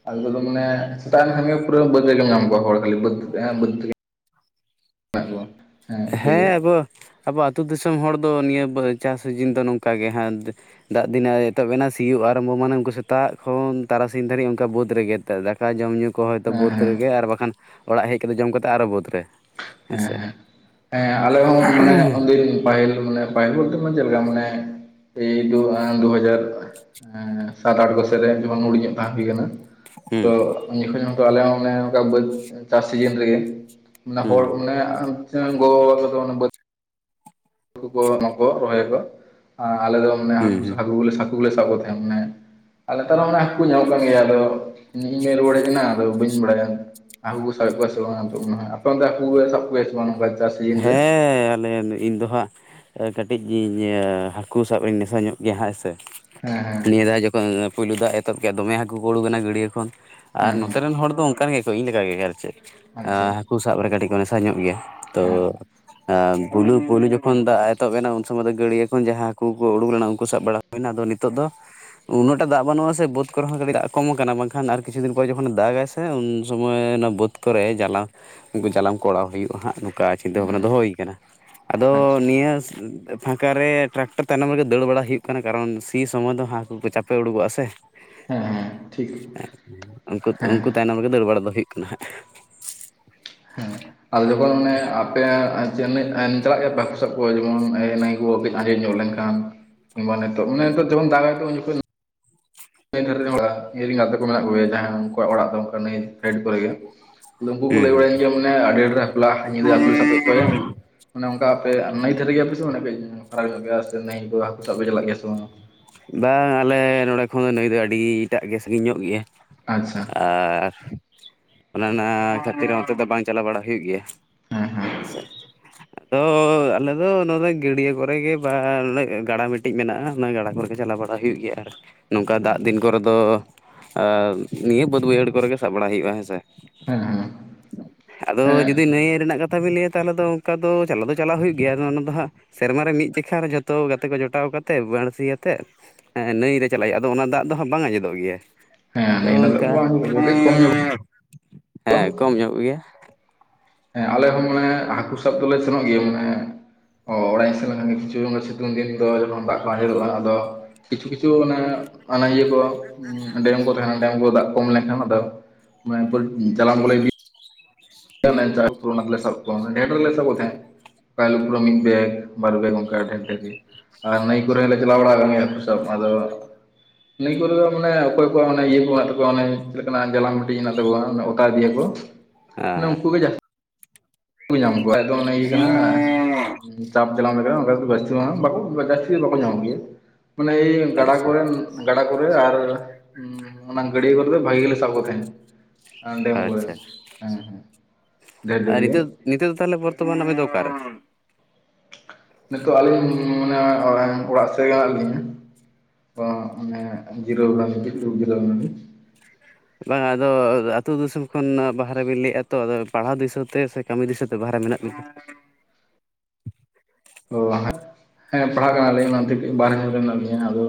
ᱟᱨ ᱦᱤᱛᱳᱜ ᱫᱚ ᱢᱟᱱᱮ ᱥᱮᱛᱟᱜ ᱮᱱ ᱠᱷᱟᱱ ᱜᱮ ᱯᱩᱨᱟᱹ ᱵᱟᱹᱫᱽ ᱨᱮᱜᱮᱢ ᱧᱟᱢ ᱠᱚᱣᱟ ᱦᱚᱲ ᱠᱷᱟᱹᱞᱤ ᱵᱟᱹᱫᱽ ᱛᱮᱜᱮ᱾ ᱤᱱᱠᱟᱹ ᱜᱮ ᱦᱮᱸ ᱟᱵᱚ ᱟᱵᱚ ᱟᱹᱛᱩ ᱫᱤᱥᱚᱢ ᱦᱚᱲ ᱫᱚ ᱱᱤᱭᱟᱹ ᱵᱟᱨ. ᱪᱟᱥ ᱥᱤᱡᱤᱱ ᱫᱚ ᱱᱚᱝᱠᱟ ᱜᱮ ᱦᱟᱸᱜ᱾ ᱫᱟᱜ ᱫᱤᱱ ᱮᱛᱚᱦᱚᱵ ᱮᱱᱟ ᱥᱤᱭᱳᱜ ᱟᱨᱟᱢᱵᱚ ᱢᱟᱱᱮ ᱩᱱᱠᱩ ᱥᱮᱛᱟᱜ ᱠᱷᱚᱱ ᱛᱟᱨᱟᱥᱤᱧ ᱫᱷᱟᱹᱨᱤᱡ ᱚᱱᱠᱟ ᱵᱟᱹᱫᱽ ᱨᱮᱜᱮ᱾ ᱛᱮ ᱫᱟᱠᱟ ᱡᱚᱢ ᱧᱩ ᱠᱚ ᱦᱚᱭᱛᱳ ᱦᱮᱸ ᱵᱟᱹᱫᱽ ᱦᱮᱸ ᱨᱮᱜᱮ ᱟᱨ ᱵᱟᱠᱷᱟᱱ ᱚᱲᱟᱜ ᱦᱮᱡ ᱠᱟᱛᱮᱫ ᱡᱚᱢ ᱠᱟᱛᱮ ᱟᱨᱚ ᱵᱟᱹᱫᱽ ᱨᱮ᱾ ᱦᱮᱸᱥᱮ ᱦᱮᱸ ᱦᱮᱸ ᱟᱞᱮ ᱦᱚᱸ ᱢᱟᱱᱮ ᱩᱱᱫᱤᱱ ᱯᱟᱦᱤᱞ ᱢᱟᱱᱮ ᱯᱟᱦᱤᱞ ᱵᱚᱞᱛᱮ ᱢᱟᱱᱮ ᱪᱮᱫ ᱞᱮᱠᱟ ᱢᱟᱱᱮ ᱮᱭ ᱫᱩ ᱫᱩ ᱦᱟᱡᱟᱨ ᱦᱮᱸ ᱥᱟᱛ ᱟᱴ ᱵᱚᱪᱷᱚᱨ ᱨᱮ ᱡᱮᱢᱚᱱ ᱦᱩᱰᱤᱧ ᱚᱜ ᱛᱟᱸᱛᱤ ᱠᱟᱱᱟ, ᱦᱩᱸ ᱛᱚ ᱩᱱᱡᱩᱠᱷᱟᱡ ᱦᱚᱸ ᱟᱞᱮ ᱦᱚᱸ ᱚᱱᱮ ᱚᱱᱠᱟ ᱵᱟᱹᱫᱽ ᱪᱟᱥ ᱥᱤᱡᱤᱱ ᱨᱮᱜᱮ ᱢᱟᱱᱮ ᱦᱩᱸ ᱦᱚᱲ ᱢᱟᱱᱮ ᱜᱚ ᱵᱟᱵᱟ ᱛᱟᱠᱚ ᱢᱟᱱᱮ ᱵᱟᱹᱫᱽ ᱦᱟᱹᱠᱩ ᱠᱚ ᱚᱱᱟᱠᱚ ᱨᱚᱦᱚᱭ ᱟᱠᱚ, ᱟᱨ ᱟᱞᱮ ᱫᱚ ᱢᱟᱱᱮ ᱦᱩᱸ ᱦᱟᱹᱠᱩ ᱦᱩᱸ ᱦᱟᱹᱠᱩ ᱠᱚᱞᱮ ᱥᱟᱵ ᱠᱚ ᱛᱟᱦᱮᱸ ᱢᱟᱱᱮ ᱟᱨ ᱱᱮᱛᱟᱨ ᱦᱚᱸ ᱢᱟᱱᱮ ᱦᱟᱠᱩ ᱠᱚ ᱧᱟᱢᱚᱜ ᱠᱟᱱ ᱜᱮᱭᱟ ᱟᱫᱚ ᱤᱧ ᱜᱮ ᱨᱩᱣᱟᱹᱲ ᱦᱮᱡ ᱮᱱᱟ ᱟᱫᱚ ᱵᱟᱹᱧ ᱵᱟᱲᱟᱭᱟ᱾ ᱦᱟᱹᱠᱩ ᱠᱚ ᱥᱟᱵ ᱮᱫ ᱠᱚᱣᱟ ᱥᱮ ᱵᱟᱝ ᱟᱫᱚ, ᱟᱯᱮ ᱚᱱᱛᱮ ᱦᱟᱹᱠᱩ ᱠᱚ ᱥᱟᱵ ᱠᱚᱣᱟ ᱥᱮ ᱵᱟᱝ ᱱᱚᱝᱠᱟ ᱪᱟᱥ ᱥᱤᱡᱤᱱ ᱨᱮ ᱦᱮᱸ ᱟᱞᱮᱭᱟᱱ ᱤᱧ ᱫᱚ ᱦᱟᱸᱜ ᱠᱟᱹᱴᱤᱡ ᱜᱤᱭᱟᱹᱤᱧ ᱦᱟᱹᱠᱩ ᱥᱟᱵ ᱨᱤᱧ ᱱᱮᱥᱟ ᱧᱚᱜ ᱜᱮᱭᱟ ᱦᱟᱸᱜ ᱦᱮᱸᱥᱮ᱾ ᱦᱮᱸ ᱦᱮᱸ᱾ ᱱᱤᱭᱟᱹ ᱫᱷᱟᱣ ᱡᱚᱠᱷᱚᱱ ᱯᱩᱭᱞᱩ ᱫᱟᱜ ᱮᱛᱚᱦᱚᱵ ᱠᱮᱫᱼᱟ ᱫᱚᱢᱮ ᱦᱟᱹᱠᱩ ᱠᱚ ᱠᱩᱲᱩᱠ ᱮᱱᱟ ᱜᱟᱹᱰᱭᱟᱹ ᱠᱷᱚᱱ ᱟᱨ ᱦᱮᱸ ᱱᱚᱛᱮ ᱦᱮᱸ ᱨᱮᱱ ᱦᱚᱲ ᱫᱚ ᱚᱱᱠᱟᱱ ᱜᱮᱭᱟ ᱛᱚ ᱤᱧ ᱞᱮᱠᱟ ᱜᱮ ᱟᱨ ᱪᱮᱫ, ᱮᱸ ᱟᱪᱪᱷᱟ ᱦᱟᱹᱠᱩ ᱥᱟᱵ ᱨᱮ ᱠᱟᱹᱴᱤᱡ ᱠᱚ ᱱᱮᱥᱟ ᱧᱚᱜ ᱜᱮᱭᱟ, ᱛᱚ ᱦᱮᱸ ᱦᱮᱸ ᱵᱩᱞᱩ ᱯᱩᱭᱞᱩ ᱡᱚᱠᱷᱚᱱ ᱫᱟᱜ ᱮᱛᱚᱦᱚᱵ ᱮᱱᱟ ᱩᱱ ᱥᱚᱢᱚᱭ ᱫᱚ ᱜᱟᱹᱲᱭᱟᱹ ᱠᱷᱚᱱ ᱡᱟᱦᱟᱸ ᱦᱟᱹᱠᱩ ᱠᱚ ᱩᱰᱩᱠ ᱞᱮᱱᱟ ᱩᱱᱠᱩ ᱥᱟᱵ ᱵᱟᱲᱟ ᱦᱩᱭᱱᱟ ᱟᱫᱚ ᱱᱤᱛᱚᱜ ᱫᱚ ᱩᱱᱟᱹᱜᱴᱟᱜ ᱫᱟᱜ ᱵᱟᱹᱱᱩᱜᱼᱟ ᱥᱮ ᱵᱟᱹᱫᱽ ᱠᱚᱨᱮ ᱦᱚᱸ ᱠᱟᱹᱴᱤᱡ ᱫᱟᱜ ᱠᱚᱢ ᱠᱟᱱᱟ ᱵᱟᱝᱠᱷᱟᱱ ᱟᱨ ᱠᱤᱪᱷᱩ ᱫᱤᱱ ᱯᱚᱨᱮ ᱡᱚᱠᱷᱚᱱᱮ ᱫᱟᱜ ᱟᱭᱥᱮ ᱮᱸ ᱩᱱ ᱥᱚᱢᱚᱭ ᱚᱱᱟ ᱵᱟᱹᱫᱽ ᱠᱚᱨᱮ ᱡᱟᱞᱟ ᱩᱱᱠᱩ ᱡᱟᱞᱟᱢ ᱠᱚ ᱟᱰᱟᱣ ᱦᱩᱭᱩᱜᱼᱟ ᱦᱟᱸᱜ᱾ ᱚᱱᱠᱟ ᱪᱤᱱᱛᱟᱹ ᱦᱮᱸ ᱵᱷᱟᱵᱱᱟ ᱫᱚᱦᱚ ᱦᱩᱭ ᱠᱟᱱᱟ ᱟᱫᱚ ᱟᱪᱪᱷᱟ ᱱᱤᱭᱟᱹ ᱯᱷᱟᱸᱠᱟ ᱨᱮ ᱴᱨᱟᱠᱴᱟᱨ ᱛᱟᱭᱱᱚᱢ ᱨᱮᱜᱮ ᱫᱟᱹᱲ ᱵᱟᱲᱟ ᱦᱩᱭᱩᱜ ᱠᱟᱱᱟ ᱠᱟᱨᱚᱱ ᱥᱤ ᱥᱚᱢᱚᱭ ᱫᱚ ᱦᱟᱹᱠᱩ ᱠᱚ ᱪᱟᱯᱮ ᱩᱰᱩᱠᱚᱜᱼᱟ ᱥᱮ᱾ ᱦᱮᱸ ᱦᱮᱸ ᱴᱷᱤᱠ ᱮᱸ ᱩᱱᱠᱩ ᱦᱮᱸ ᱩᱱᱠᱩ ᱛᱟᱭᱱᱚᱢ ᱨᱮᱜᱮ ᱫᱟᱹᱲ ᱵᱟᱲᱟ ᱫᱚ ᱦᱩᱭᱩᱜ ᱠᱟᱱᱟ ᱦᱟᱸᱜ᱾ ᱦᱮᱸ ᱾ ᱟᱫᱚ ᱡᱚᱠᱷᱚᱱ ᱚᱱᱮ ᱟᱯᱮ [unintelligible] ᱪᱟᱞᱟᱜ ᱜᱮᱭᱟ ᱯᱮ ᱦᱟᱹᱠᱩ ᱥᱟᱵ ᱠᱚ ᱡᱮᱢᱚᱱ ᱱᱟᱭ ᱠᱚ ᱟᱸᱡᱮᱫ ᱧᱚᱜ ᱞᱮᱱᱠᱷᱟᱱ ᱠᱷᱟᱱ? ᱠᱤᱝᱵᱟ ᱱᱤᱛᱚᱜ ᱢᱟᱱᱮ ᱱᱤᱛᱚᱜ ᱫᱟᱜ ᱟᱭ ᱛᱚ ᱩᱱ ᱡᱚᱠᱷᱮᱡ? ᱱᱟᱹᱭ ᱫᱷᱟᱨᱮ ᱨᱮᱱ ᱦᱚᱲᱟᱜ ᱤᱧ ᱨᱮᱱ ᱜᱟᱛᱮ ᱠᱚ ᱢᱮᱱᱟᱜ ᱠᱚᱜᱮᱭᱟ ᱡᱟᱦᱟᱸᱭ ᱩᱱᱠᱩᱣᱟᱜ ᱚᱲᱟᱜ ᱫᱚ ᱚᱱᱠᱟ ᱱᱟᱹᱭ ᱥᱟᱭᱤᱰ ᱠᱚᱨᱮᱜᱮ ᱾ ᱱᱩᱠᱩ ᱠᱚ ᱦᱮᱸ ᱞᱟᱹᱭ ᱵᱟᱲᱟᱭᱟᱹᱧ ᱜᱮᱭᱟ ᱢᱟᱱᱮ ᱟᱹᱰᱤ ᱰᱷᱨᱮ ᱵᱟᱯᱞᱟ ᱧᱤᱫᱟᱹ ᱦᱟᱹᱠᱩ ᱞᱮ ᱥᱟᱵ ᱠᱮᱫ ᱠᱚᱣᱟᱭᱟ ᱾ ᱢᱟᱱᱮ ᱚᱱᱠᱟ ᱟᱯᱮ ᱱᱟᱹᱭ ᱫᱷᱟᱹᱨᱮ ᱜᱮᱭᱟ ᱯᱮ? ᱥᱮ ᱯᱮ ᱯᱷᱟᱨᱟᱠ ᱧᱚᱜ ᱜᱮᱭᱟ ᱥᱮ ᱱᱟᱹᱭ ᱠᱚ ᱦᱟᱹᱠᱩ ᱥᱟᱵ ᱯᱮ ᱪᱟᱞᱟᱜ ᱜᱮᱭᱟ ᱥᱮ ᱵᱟᱝ? ᱵᱟᱝ ᱟᱞᱮ ᱱᱚᱸᱰᱮ ᱠᱷᱚᱱ ᱱᱟᱹᱭ ᱴᱟᱜ ᱫᱚ ᱟᱹᱰᱤ ᱴᱟᱜ ᱜᱮ ᱥᱟᱺᱜᱤᱧ ᱧᱚᱜ ᱜᱮᱭᱟ ᱟᱪᱪᱷᱟ ᱾ ᱟᱨ ᱚᱱᱮ ᱚᱱᱟ ᱠᱷᱟᱹᱛᱤᱨ ᱚᱱᱛᱮ ᱫᱚ ᱵᱟᱝ ᱪᱟᱞᱟᱣ ᱵᱟᱲᱟ ᱦᱩᱭᱩᱜ ᱜᱮᱭᱟ ᱦᱮᱸ ᱦᱮᱸ ᱾ ᱦᱮᱸᱥᱮ [unintelligible] ᱟᱫᱚ ᱟᱞᱮ ᱫᱚ ᱱᱚᱸᱰᱮ ᱫᱚ ᱜᱟᱹᱰᱭᱟᱹ ᱠᱚᱨᱮ ᱜᱮ ᱵᱟ ᱜᱟᱰᱟ ᱢᱤᱫᱴᱤᱡ ᱢᱮᱱᱟᱜᱼᱟ ᱚᱱᱟ ᱜᱟᱰᱟ ᱠᱚᱨᱮ ᱪᱟᱞᱟᱣ ᱵᱟᱲᱟ ᱦᱩᱭᱩᱜ ᱜᱮᱭᱟ ᱟᱨ ᱱᱚᱝᱠᱟ ᱫᱟᱜ ᱫᱤᱱ ᱠᱚᱨᱮ ᱫᱚ ᱟᱨ ᱱᱤᱭᱟᱹ ᱵᱟᱹᱫᱽ ᱵᱟᱹᱭᱦᱟᱹᱲ ᱠᱚᱨᱮᱜ ᱜᱮ ᱥᱟᱵ ᱵᱟᱲᱟᱭ ᱦᱩᱭᱩᱜᱼᱟ ᱦᱮᱸᱥᱮ ᱾ ᱦᱮᱸ ᱦᱮᱸ ᱟᱫᱚ ᱡᱩᱫᱤ ᱱᱟᱹᱭ ᱨᱮᱱᱟᱜ ᱠᱟᱛᱷᱟ ᱵᱤᱱ ᱞᱟᱹᱭᱟ ᱛᱟᱦᱚᱞᱮ ᱫᱚ ᱚᱱᱠᱟ ᱫᱚ ᱪᱟᱞᱟᱣ ᱫᱚ ᱪᱟᱞᱟᱣ ᱦᱩᱭᱩᱜ ᱜᱮᱭᱟ ᱚᱱᱟ ᱫᱚ ᱦᱟᱸᱜ ᱥᱮᱨᱢᱟ ᱨᱮ ᱢᱤᱫ ᱡᱮᱠᱷᱟ ᱡᱷᱚᱛᱚ ᱜᱟᱛᱮ ᱠᱚ ᱡᱚᱴᱟᱣ ᱠᱟᱛᱮ ᱵᱟᱬᱥᱤᱭᱟ ᱛᱮᱜ ᱱᱟᱹᱭᱨᱮ ᱪᱟᱞᱟᱜ ᱦᱩᱭᱩᱜᱼᱟ ᱟᱫᱚ ᱚᱱᱟ ᱫᱟᱜ ᱫᱚ ᱦᱟᱸᱜ ᱵᱟᱝ ᱟᱸᱡᱮᱫᱚᱜ ᱜᱮᱭᱟ ᱾ ᱦᱮᱸ ᱦᱮᱸ ᱟᱫᱚ ᱱᱟᱹᱭ ᱫᱚ ᱚᱱᱠᱟ, ᱵᱟᱝ ᱦᱩᱭᱩᱜ ᱜᱮᱭᱟ ᱠᱟᱹᱡ ᱠᱚᱢ ᱧᱚᱜ ᱦᱮᱸ ᱠᱚᱢ ᱧᱚᱜ ᱜᱮᱭᱟ ᱾ ᱦᱮᱸ ᱟᱞᱮ ᱦᱚᱸ ᱢᱟᱱᱮ ᱦᱟᱹᱠᱩ ᱥᱟᱵ ᱫᱚᱞᱮ ᱥᱮᱱᱚᱜ ᱜᱮᱭᱟ ᱢᱟᱱᱮ ᱚ ᱚᱲᱟᱜ ᱤᱧ ᱥᱮᱱ ᱞᱮᱱᱠᱷᱟᱱ ᱜᱮ ᱠᱤᱪᱷᱩ ᱥᱤᱛᱩᱝ ᱫᱤᱱ ᱫᱚ ᱡᱚᱠᱷᱚᱱ ᱫᱟᱜ ᱠᱚ ᱟᱸᱡᱮᱞᱚᱜᱼᱟ ᱟᱫᱚ ᱠᱤᱪᱷᱩ ᱠᱤᱪᱷᱩ ᱚᱱᱮ ᱚᱱᱟ ᱤᱭᱟᱹ ᱠᱚ ᱰᱮᱢ ᱠᱚ ᱛᱟᱦᱮᱱᱟ ᱰᱮᱢ ᱠᱚ ᱫᱟᱜ ᱠᱚᱢ ᱞᱮᱠᱷᱟᱱ ᱟᱫᱚ ᱢᱟᱱᱮ [unintelligible] ᱡᱟᱞᱟᱢ ᱠᱚᱞᱮ ᱤᱫᱤ ᱢᱮᱱ ᱛᱮ [inaudible] ᱥᱟᱵ ᱠᱚᱣᱟ, ᱢᱟᱱᱮ ᱱᱮᱴ ᱨᱮᱞᱮ ᱥᱟᱵᱚᱜ ᱛᱟᱦᱮᱜ [unintelligible] ᱾ ᱚᱠᱟ ᱦᱤᱞᱳ ᱯᱩᱨᱟᱹ ᱢᱤᱫ ᱵᱮᱜ ᱵᱟᱨ ᱵᱮᱜ ᱚᱱᱠᱟ ᱰᱷᱮᱨ ᱰᱷᱮᱨ ᱜᱮ ᱟᱨ ᱱᱟᱹᱭ ᱠᱚᱨᱮ ᱦᱚᱸᱞᱮ ᱪᱟᱞᱟᱣ ᱵᱟᱲᱲᱟ ᱠᱟᱱ ᱜᱮᱭᱟ ᱦᱟᱹᱠᱩ ᱥᱟᱵ ᱟᱫᱚ ᱱᱤᱭᱟᱹ ᱠᱚᱨᱮ ᱫᱚ ᱢᱟᱱᱮ ᱚᱠᱚᱭ ᱠᱚᱣᱟᱜ ᱚᱱᱮ ᱤᱭᱟᱹ ᱠᱚ ᱢᱮᱱᱟᱜ ᱛᱟᱠᱚᱣᱟ ᱚᱱᱮ ᱪᱮᱫ ᱞᱮᱠᱟᱱᱟᱜ ᱡᱟᱞᱟᱢ ᱢᱴᱤᱡ ᱦᱮᱱᱟᱜ ᱛᱟᱠᱚᱣᱟ ᱚᱱᱮ ᱚᱛᱟ ᱤᱫᱤᱭᱟ ᱠᱚ ᱾ ᱢᱟᱱᱮ ᱦᱮᱸ ᱦᱮᱸ ᱩᱱᱠᱩ ᱦᱮᱸ᱾ ᱜᱮ ᱡᱟᱥᱛᱤ ᱠᱩ ᱧᱟᱢ ᱠᱚᱣᱟ ᱟᱫᱚ ᱚᱱᱮ ᱤᱭᱟᱹ ᱠᱟᱱᱟᱱ ᱾ ᱪᱟᱯ ᱡᱟᱞᱟᱢ [unintelligible] ᱵᱟᱸᱲᱥᱤ ᱢᱟ ᱵᱟᱠᱚ ᱡᱟᱹᱥᱛᱤ ᱫᱚ ᱵᱟᱠᱚ ᱧᱟᱢᱚᱜ ᱜᱮᱭᱟ ᱾ ᱢᱟᱱᱮ ᱮᱭ ᱜᱟᱰᱟ ᱟᱪᱪᱷᱟ ᱠᱚᱨᱮᱱ ᱜᱟᱰᱟ ᱠᱚᱨᱮ ᱟᱨ ᱩᱸ ᱚᱱᱟ ᱜᱟᱹᱰᱭᱟᱹ ᱠᱚᱨᱮ ᱫᱚ ᱵᱷᱟᱜᱤ ᱜᱮᱞᱮ ᱥᱟᱵ ᱠᱚ ᱛᱟᱦᱮᱸᱫ ᱾ ᱟᱨ ᱰᱮᱢ ᱠᱚᱨᱮ, ᱟᱪᱪᱷᱟ ᱦᱮᱸ ᱦᱮᱸ ᱰᱷᱮᱨ ᱟᱨ ᱰᱷᱮᱨᱮ ᱜᱮ ᱱᱤᱛᱚᱜ ᱾ ᱱᱤᱛᱚᱜ ᱫᱚ ᱛᱟᱦᱚᱞᱮ ᱵᱚᱨᱛᱚᱢᱟᱱ ᱟᱵᱮᱱ ᱫᱚ ᱚᱠᱟᱨᱮ? ᱱᱤᱛᱚᱜ ᱟᱹᱞᱤᱧ ᱢᱟᱱᱮ ᱚᱲᱟᱜ ᱥᱮᱫ ᱨᱮᱜᱮ ᱢᱮᱱᱟᱜ ᱞᱤᱧᱟ ᱾ ᱛᱚ ᱢᱟᱱᱮ ᱡᱤᱨᱟᱹᱣ ᱠᱟᱱᱟᱞᱤᱧ ᱜᱤᱛᱤᱡ ᱫᱩᱲᱩᱵ ᱡᱤᱨᱟᱹᱣ ᱠᱟᱱᱟ ᱞᱤᱧ ᱾ ᱵᱟᱝᱟ ᱟᱫᱚ ᱟᱹᱛᱩ ᱫᱤᱥᱚᱢ ᱠᱷᱚᱱ ᱵᱟᱦᱨᱮ ᱵᱤᱱ ᱞᱟᱹᱭᱮᱫᱼᱟ ᱛᱚ ᱟᱫᱚ ᱯᱟᱲᱦᱟᱣ ᱫᱤᱥᱟᱹ ᱛᱮ ᱥᱮ ᱠᱟᱹᱢᱤ ᱫᱤᱥᱟᱹᱛᱮ ᱵᱟᱦᱨᱮ ᱢᱮᱱᱟᱜ ᱵᱤᱱᱟ? ᱚ, ᱦᱮᱸ ᱯᱟᱲᱦᱟᱜ ᱠᱟᱱᱟᱞᱤᱧ ᱚᱱᱟᱛᱮ ᱵᱟᱦᱨᱮ ᱢᱮᱱᱟᱜ ᱱᱟ ᱞᱤᱧᱟᱹ ᱟᱫᱚ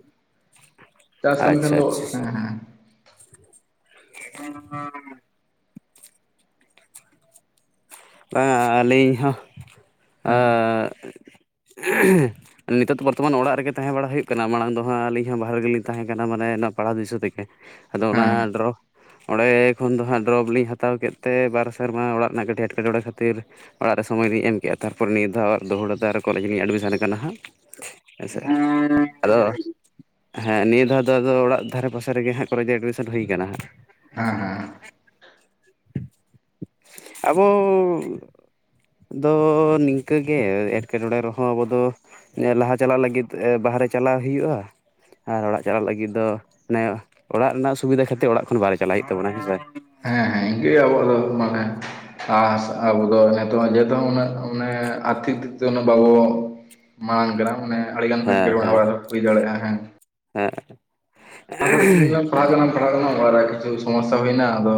[unintelligible] ᱠᱟᱹᱢᱤ ᱠᱷᱟᱱ ᱟᱪᱪᱷᱟ ᱫᱚ ᱟᱪᱪᱷᱟ ᱦᱮᱸ ᱟᱪᱷᱟ ᱦᱮᱸ [inaudible] ᱵᱟᱝᱟ ᱟᱹᱞᱤᱧ ᱦᱚᱸ ᱦᱮᱸ [unintelligible] ᱱᱤᱛᱚᱜ ᱫᱚ ᱵᱚᱨᱛᱚᱢᱟᱱ ᱚᱲᱟᱜ ᱨᱮᱜᱮ ᱛᱟᱦᱮᱸ ᱵᱟᱲᱟ ᱦᱩᱭᱩᱜ ᱠᱟᱱᱟ ᱢᱟᱲᱟᱝ ᱫᱚ ᱦᱟᱸᱜ ᱟᱹᱞᱤᱧ ᱦᱚᱸ ᱵᱟᱦᱨᱮ ᱜᱮᱞᱤᱧ ᱛᱟᱦᱮᱸ ᱠᱟᱱᱟ ᱢᱟᱱᱮ ᱱᱚᱣᱟ ᱯᱟᱲᱦᱟᱣ ᱫ ᱫᱤᱥᱟᱹ ᱛᱮᱜᱮ ᱾ ᱟᱫᱚ ᱚᱱᱟ ᱦᱮᱸ ᱰᱨᱚᱯ ᱚᱸᱰᱮ ᱠᱷᱚᱱ ᱫᱚ ᱦᱟᱸᱜ ᱰᱨᱚᱯ ᱞᱤᱧ ᱦᱟᱛᱟᱣ ᱠᱮᱫ ᱛᱮ ᱵᱟᱨ ᱥᱮᱨᱢᱟ ᱚᱲᱟᱜ ᱨᱮᱱᱟᱜ ᱠᱟᱹᱴᱤᱡ ᱮᱴ ᱠᱮᱴᱚᱲᱮ ᱠᱷᱟᱹᱛᱤᱨ ᱚᱲᱟᱜ ᱨᱮ ᱥᱚᱢᱚᱭ ᱞᱤᱧ ᱮᱢ ᱠᱮᱫᱼᱟ ᱾ ᱛᱟᱨᱯᱚᱨᱮ ᱱᱤᱭᱟᱹ ᱫᱷᱟᱣ ᱫᱚᱲᱦᱟ ᱛᱮ ᱟᱨᱚ ᱠᱚᱞᱮᱡᱽ ᱨᱤᱧ ᱮᱰᱢᱤᱥᱚᱱ ᱠᱟᱱᱟ ᱦᱟᱸᱜ ᱾ ᱦᱮᱸᱥᱮ, ᱟᱫᱚ [inaudible] ᱦᱮᱸ ᱱᱤᱭᱟᱹ ᱫᱷᱟᱣ ᱟᱫᱚ ᱚᱲᱟᱜ ᱫᱷᱟᱨᱮ ᱯᱟᱥᱮ ᱨᱮᱜᱮ ᱦᱟᱸᱜ ᱠᱚᱞᱮᱡᱽ ᱨᱮ ᱮᱰᱢᱤᱥᱚᱱ ᱦᱩᱭ ᱠᱟᱱᱟ ᱦᱟᱸᱜ ᱾ ᱦᱮᱸ ᱦᱮᱸ ᱟᱵᱚ ᱫᱚ ᱱᱤᱝᱠᱟᱹ ᱜᱮ, ᱮᱴᱠᱮᱴᱚᱬᱮ ᱨᱮᱦᱚᱸ ᱟᱵᱚ ᱫᱚ ᱞᱟᱦᱟ ᱪᱟᱞᱟᱜ ᱞᱟᱹᱜᱤᱫ ᱮᱸ ᱵᱟᱦᱨᱮ ᱪᱟᱞᱟᱣ ᱦᱩᱭᱩᱜᱼᱟ ᱾ ᱟᱨ ᱚᱲᱟᱜ ᱪᱟᱞᱟᱜ ᱞᱟᱹᱜᱤᱫ ᱫᱚ, ᱟᱱᱮ ᱚᱲᱟᱜ ᱨᱮᱱᱟᱜ ᱥᱩᱵᱤᱫᱟ ᱠᱷᱟᱹᱛᱤᱨ ᱚᱲᱟᱜ ᱠᱷᱚᱱ ᱵᱟᱦᱨᱮ ᱪᱟᱞᱟᱜ ᱦᱩᱭᱩᱜ ᱛᱟᱵᱚᱱᱟ ᱦᱮᱸᱥᱮ ᱾ ᱦᱮᱸ ᱦᱮᱸ ᱤᱱᱠᱟᱹ ᱟᱵᱚᱣᱟᱜ ᱫᱚ ᱢᱟᱱᱮ ᱟᱥ ᱟᱵᱚ ᱫᱚ ᱱᱤᱛᱚᱜ ᱦᱚᱸ ᱡᱮᱦᱮᱛᱩ ᱩᱱᱟᱹᱜ ᱢᱟᱱᱮ ᱟᱨᱛᱷᱤᱠ ᱫᱤᱠ ᱛᱮ ᱩᱱᱟᱹᱜ ᱵᱟᱵᱚ ᱢᱟᱲᱟᱝ ᱠᱟᱱᱟ ᱢᱟᱱᱮ ᱟᱹᱰᱤᱜᱟᱱ ᱦᱮᱸ ᱮᱸᱴᱠᱮᱴᱚᱬᱮ ᱦᱮᱸ ᱚᱲᱟᱜ ᱨᱮ ᱦᱩᱭ ᱫᱟᱲᱮᱜᱼᱟ ᱦᱮᱸ ᱾ ᱦᱮᱸ ᱾ [unintelligible] ᱯᱟᱲᱦᱟᱜ ᱠᱟᱱᱟ ᱯᱟᱲᱦᱟᱜ ᱠᱟᱱᱟ ᱚᱲᱟᱜ ᱨᱮ ᱠᱤᱪᱷᱩ ᱥᱚᱢᱚᱥᱥᱟ ᱦᱩᱭ ᱮᱱᱟ ᱟᱫᱚ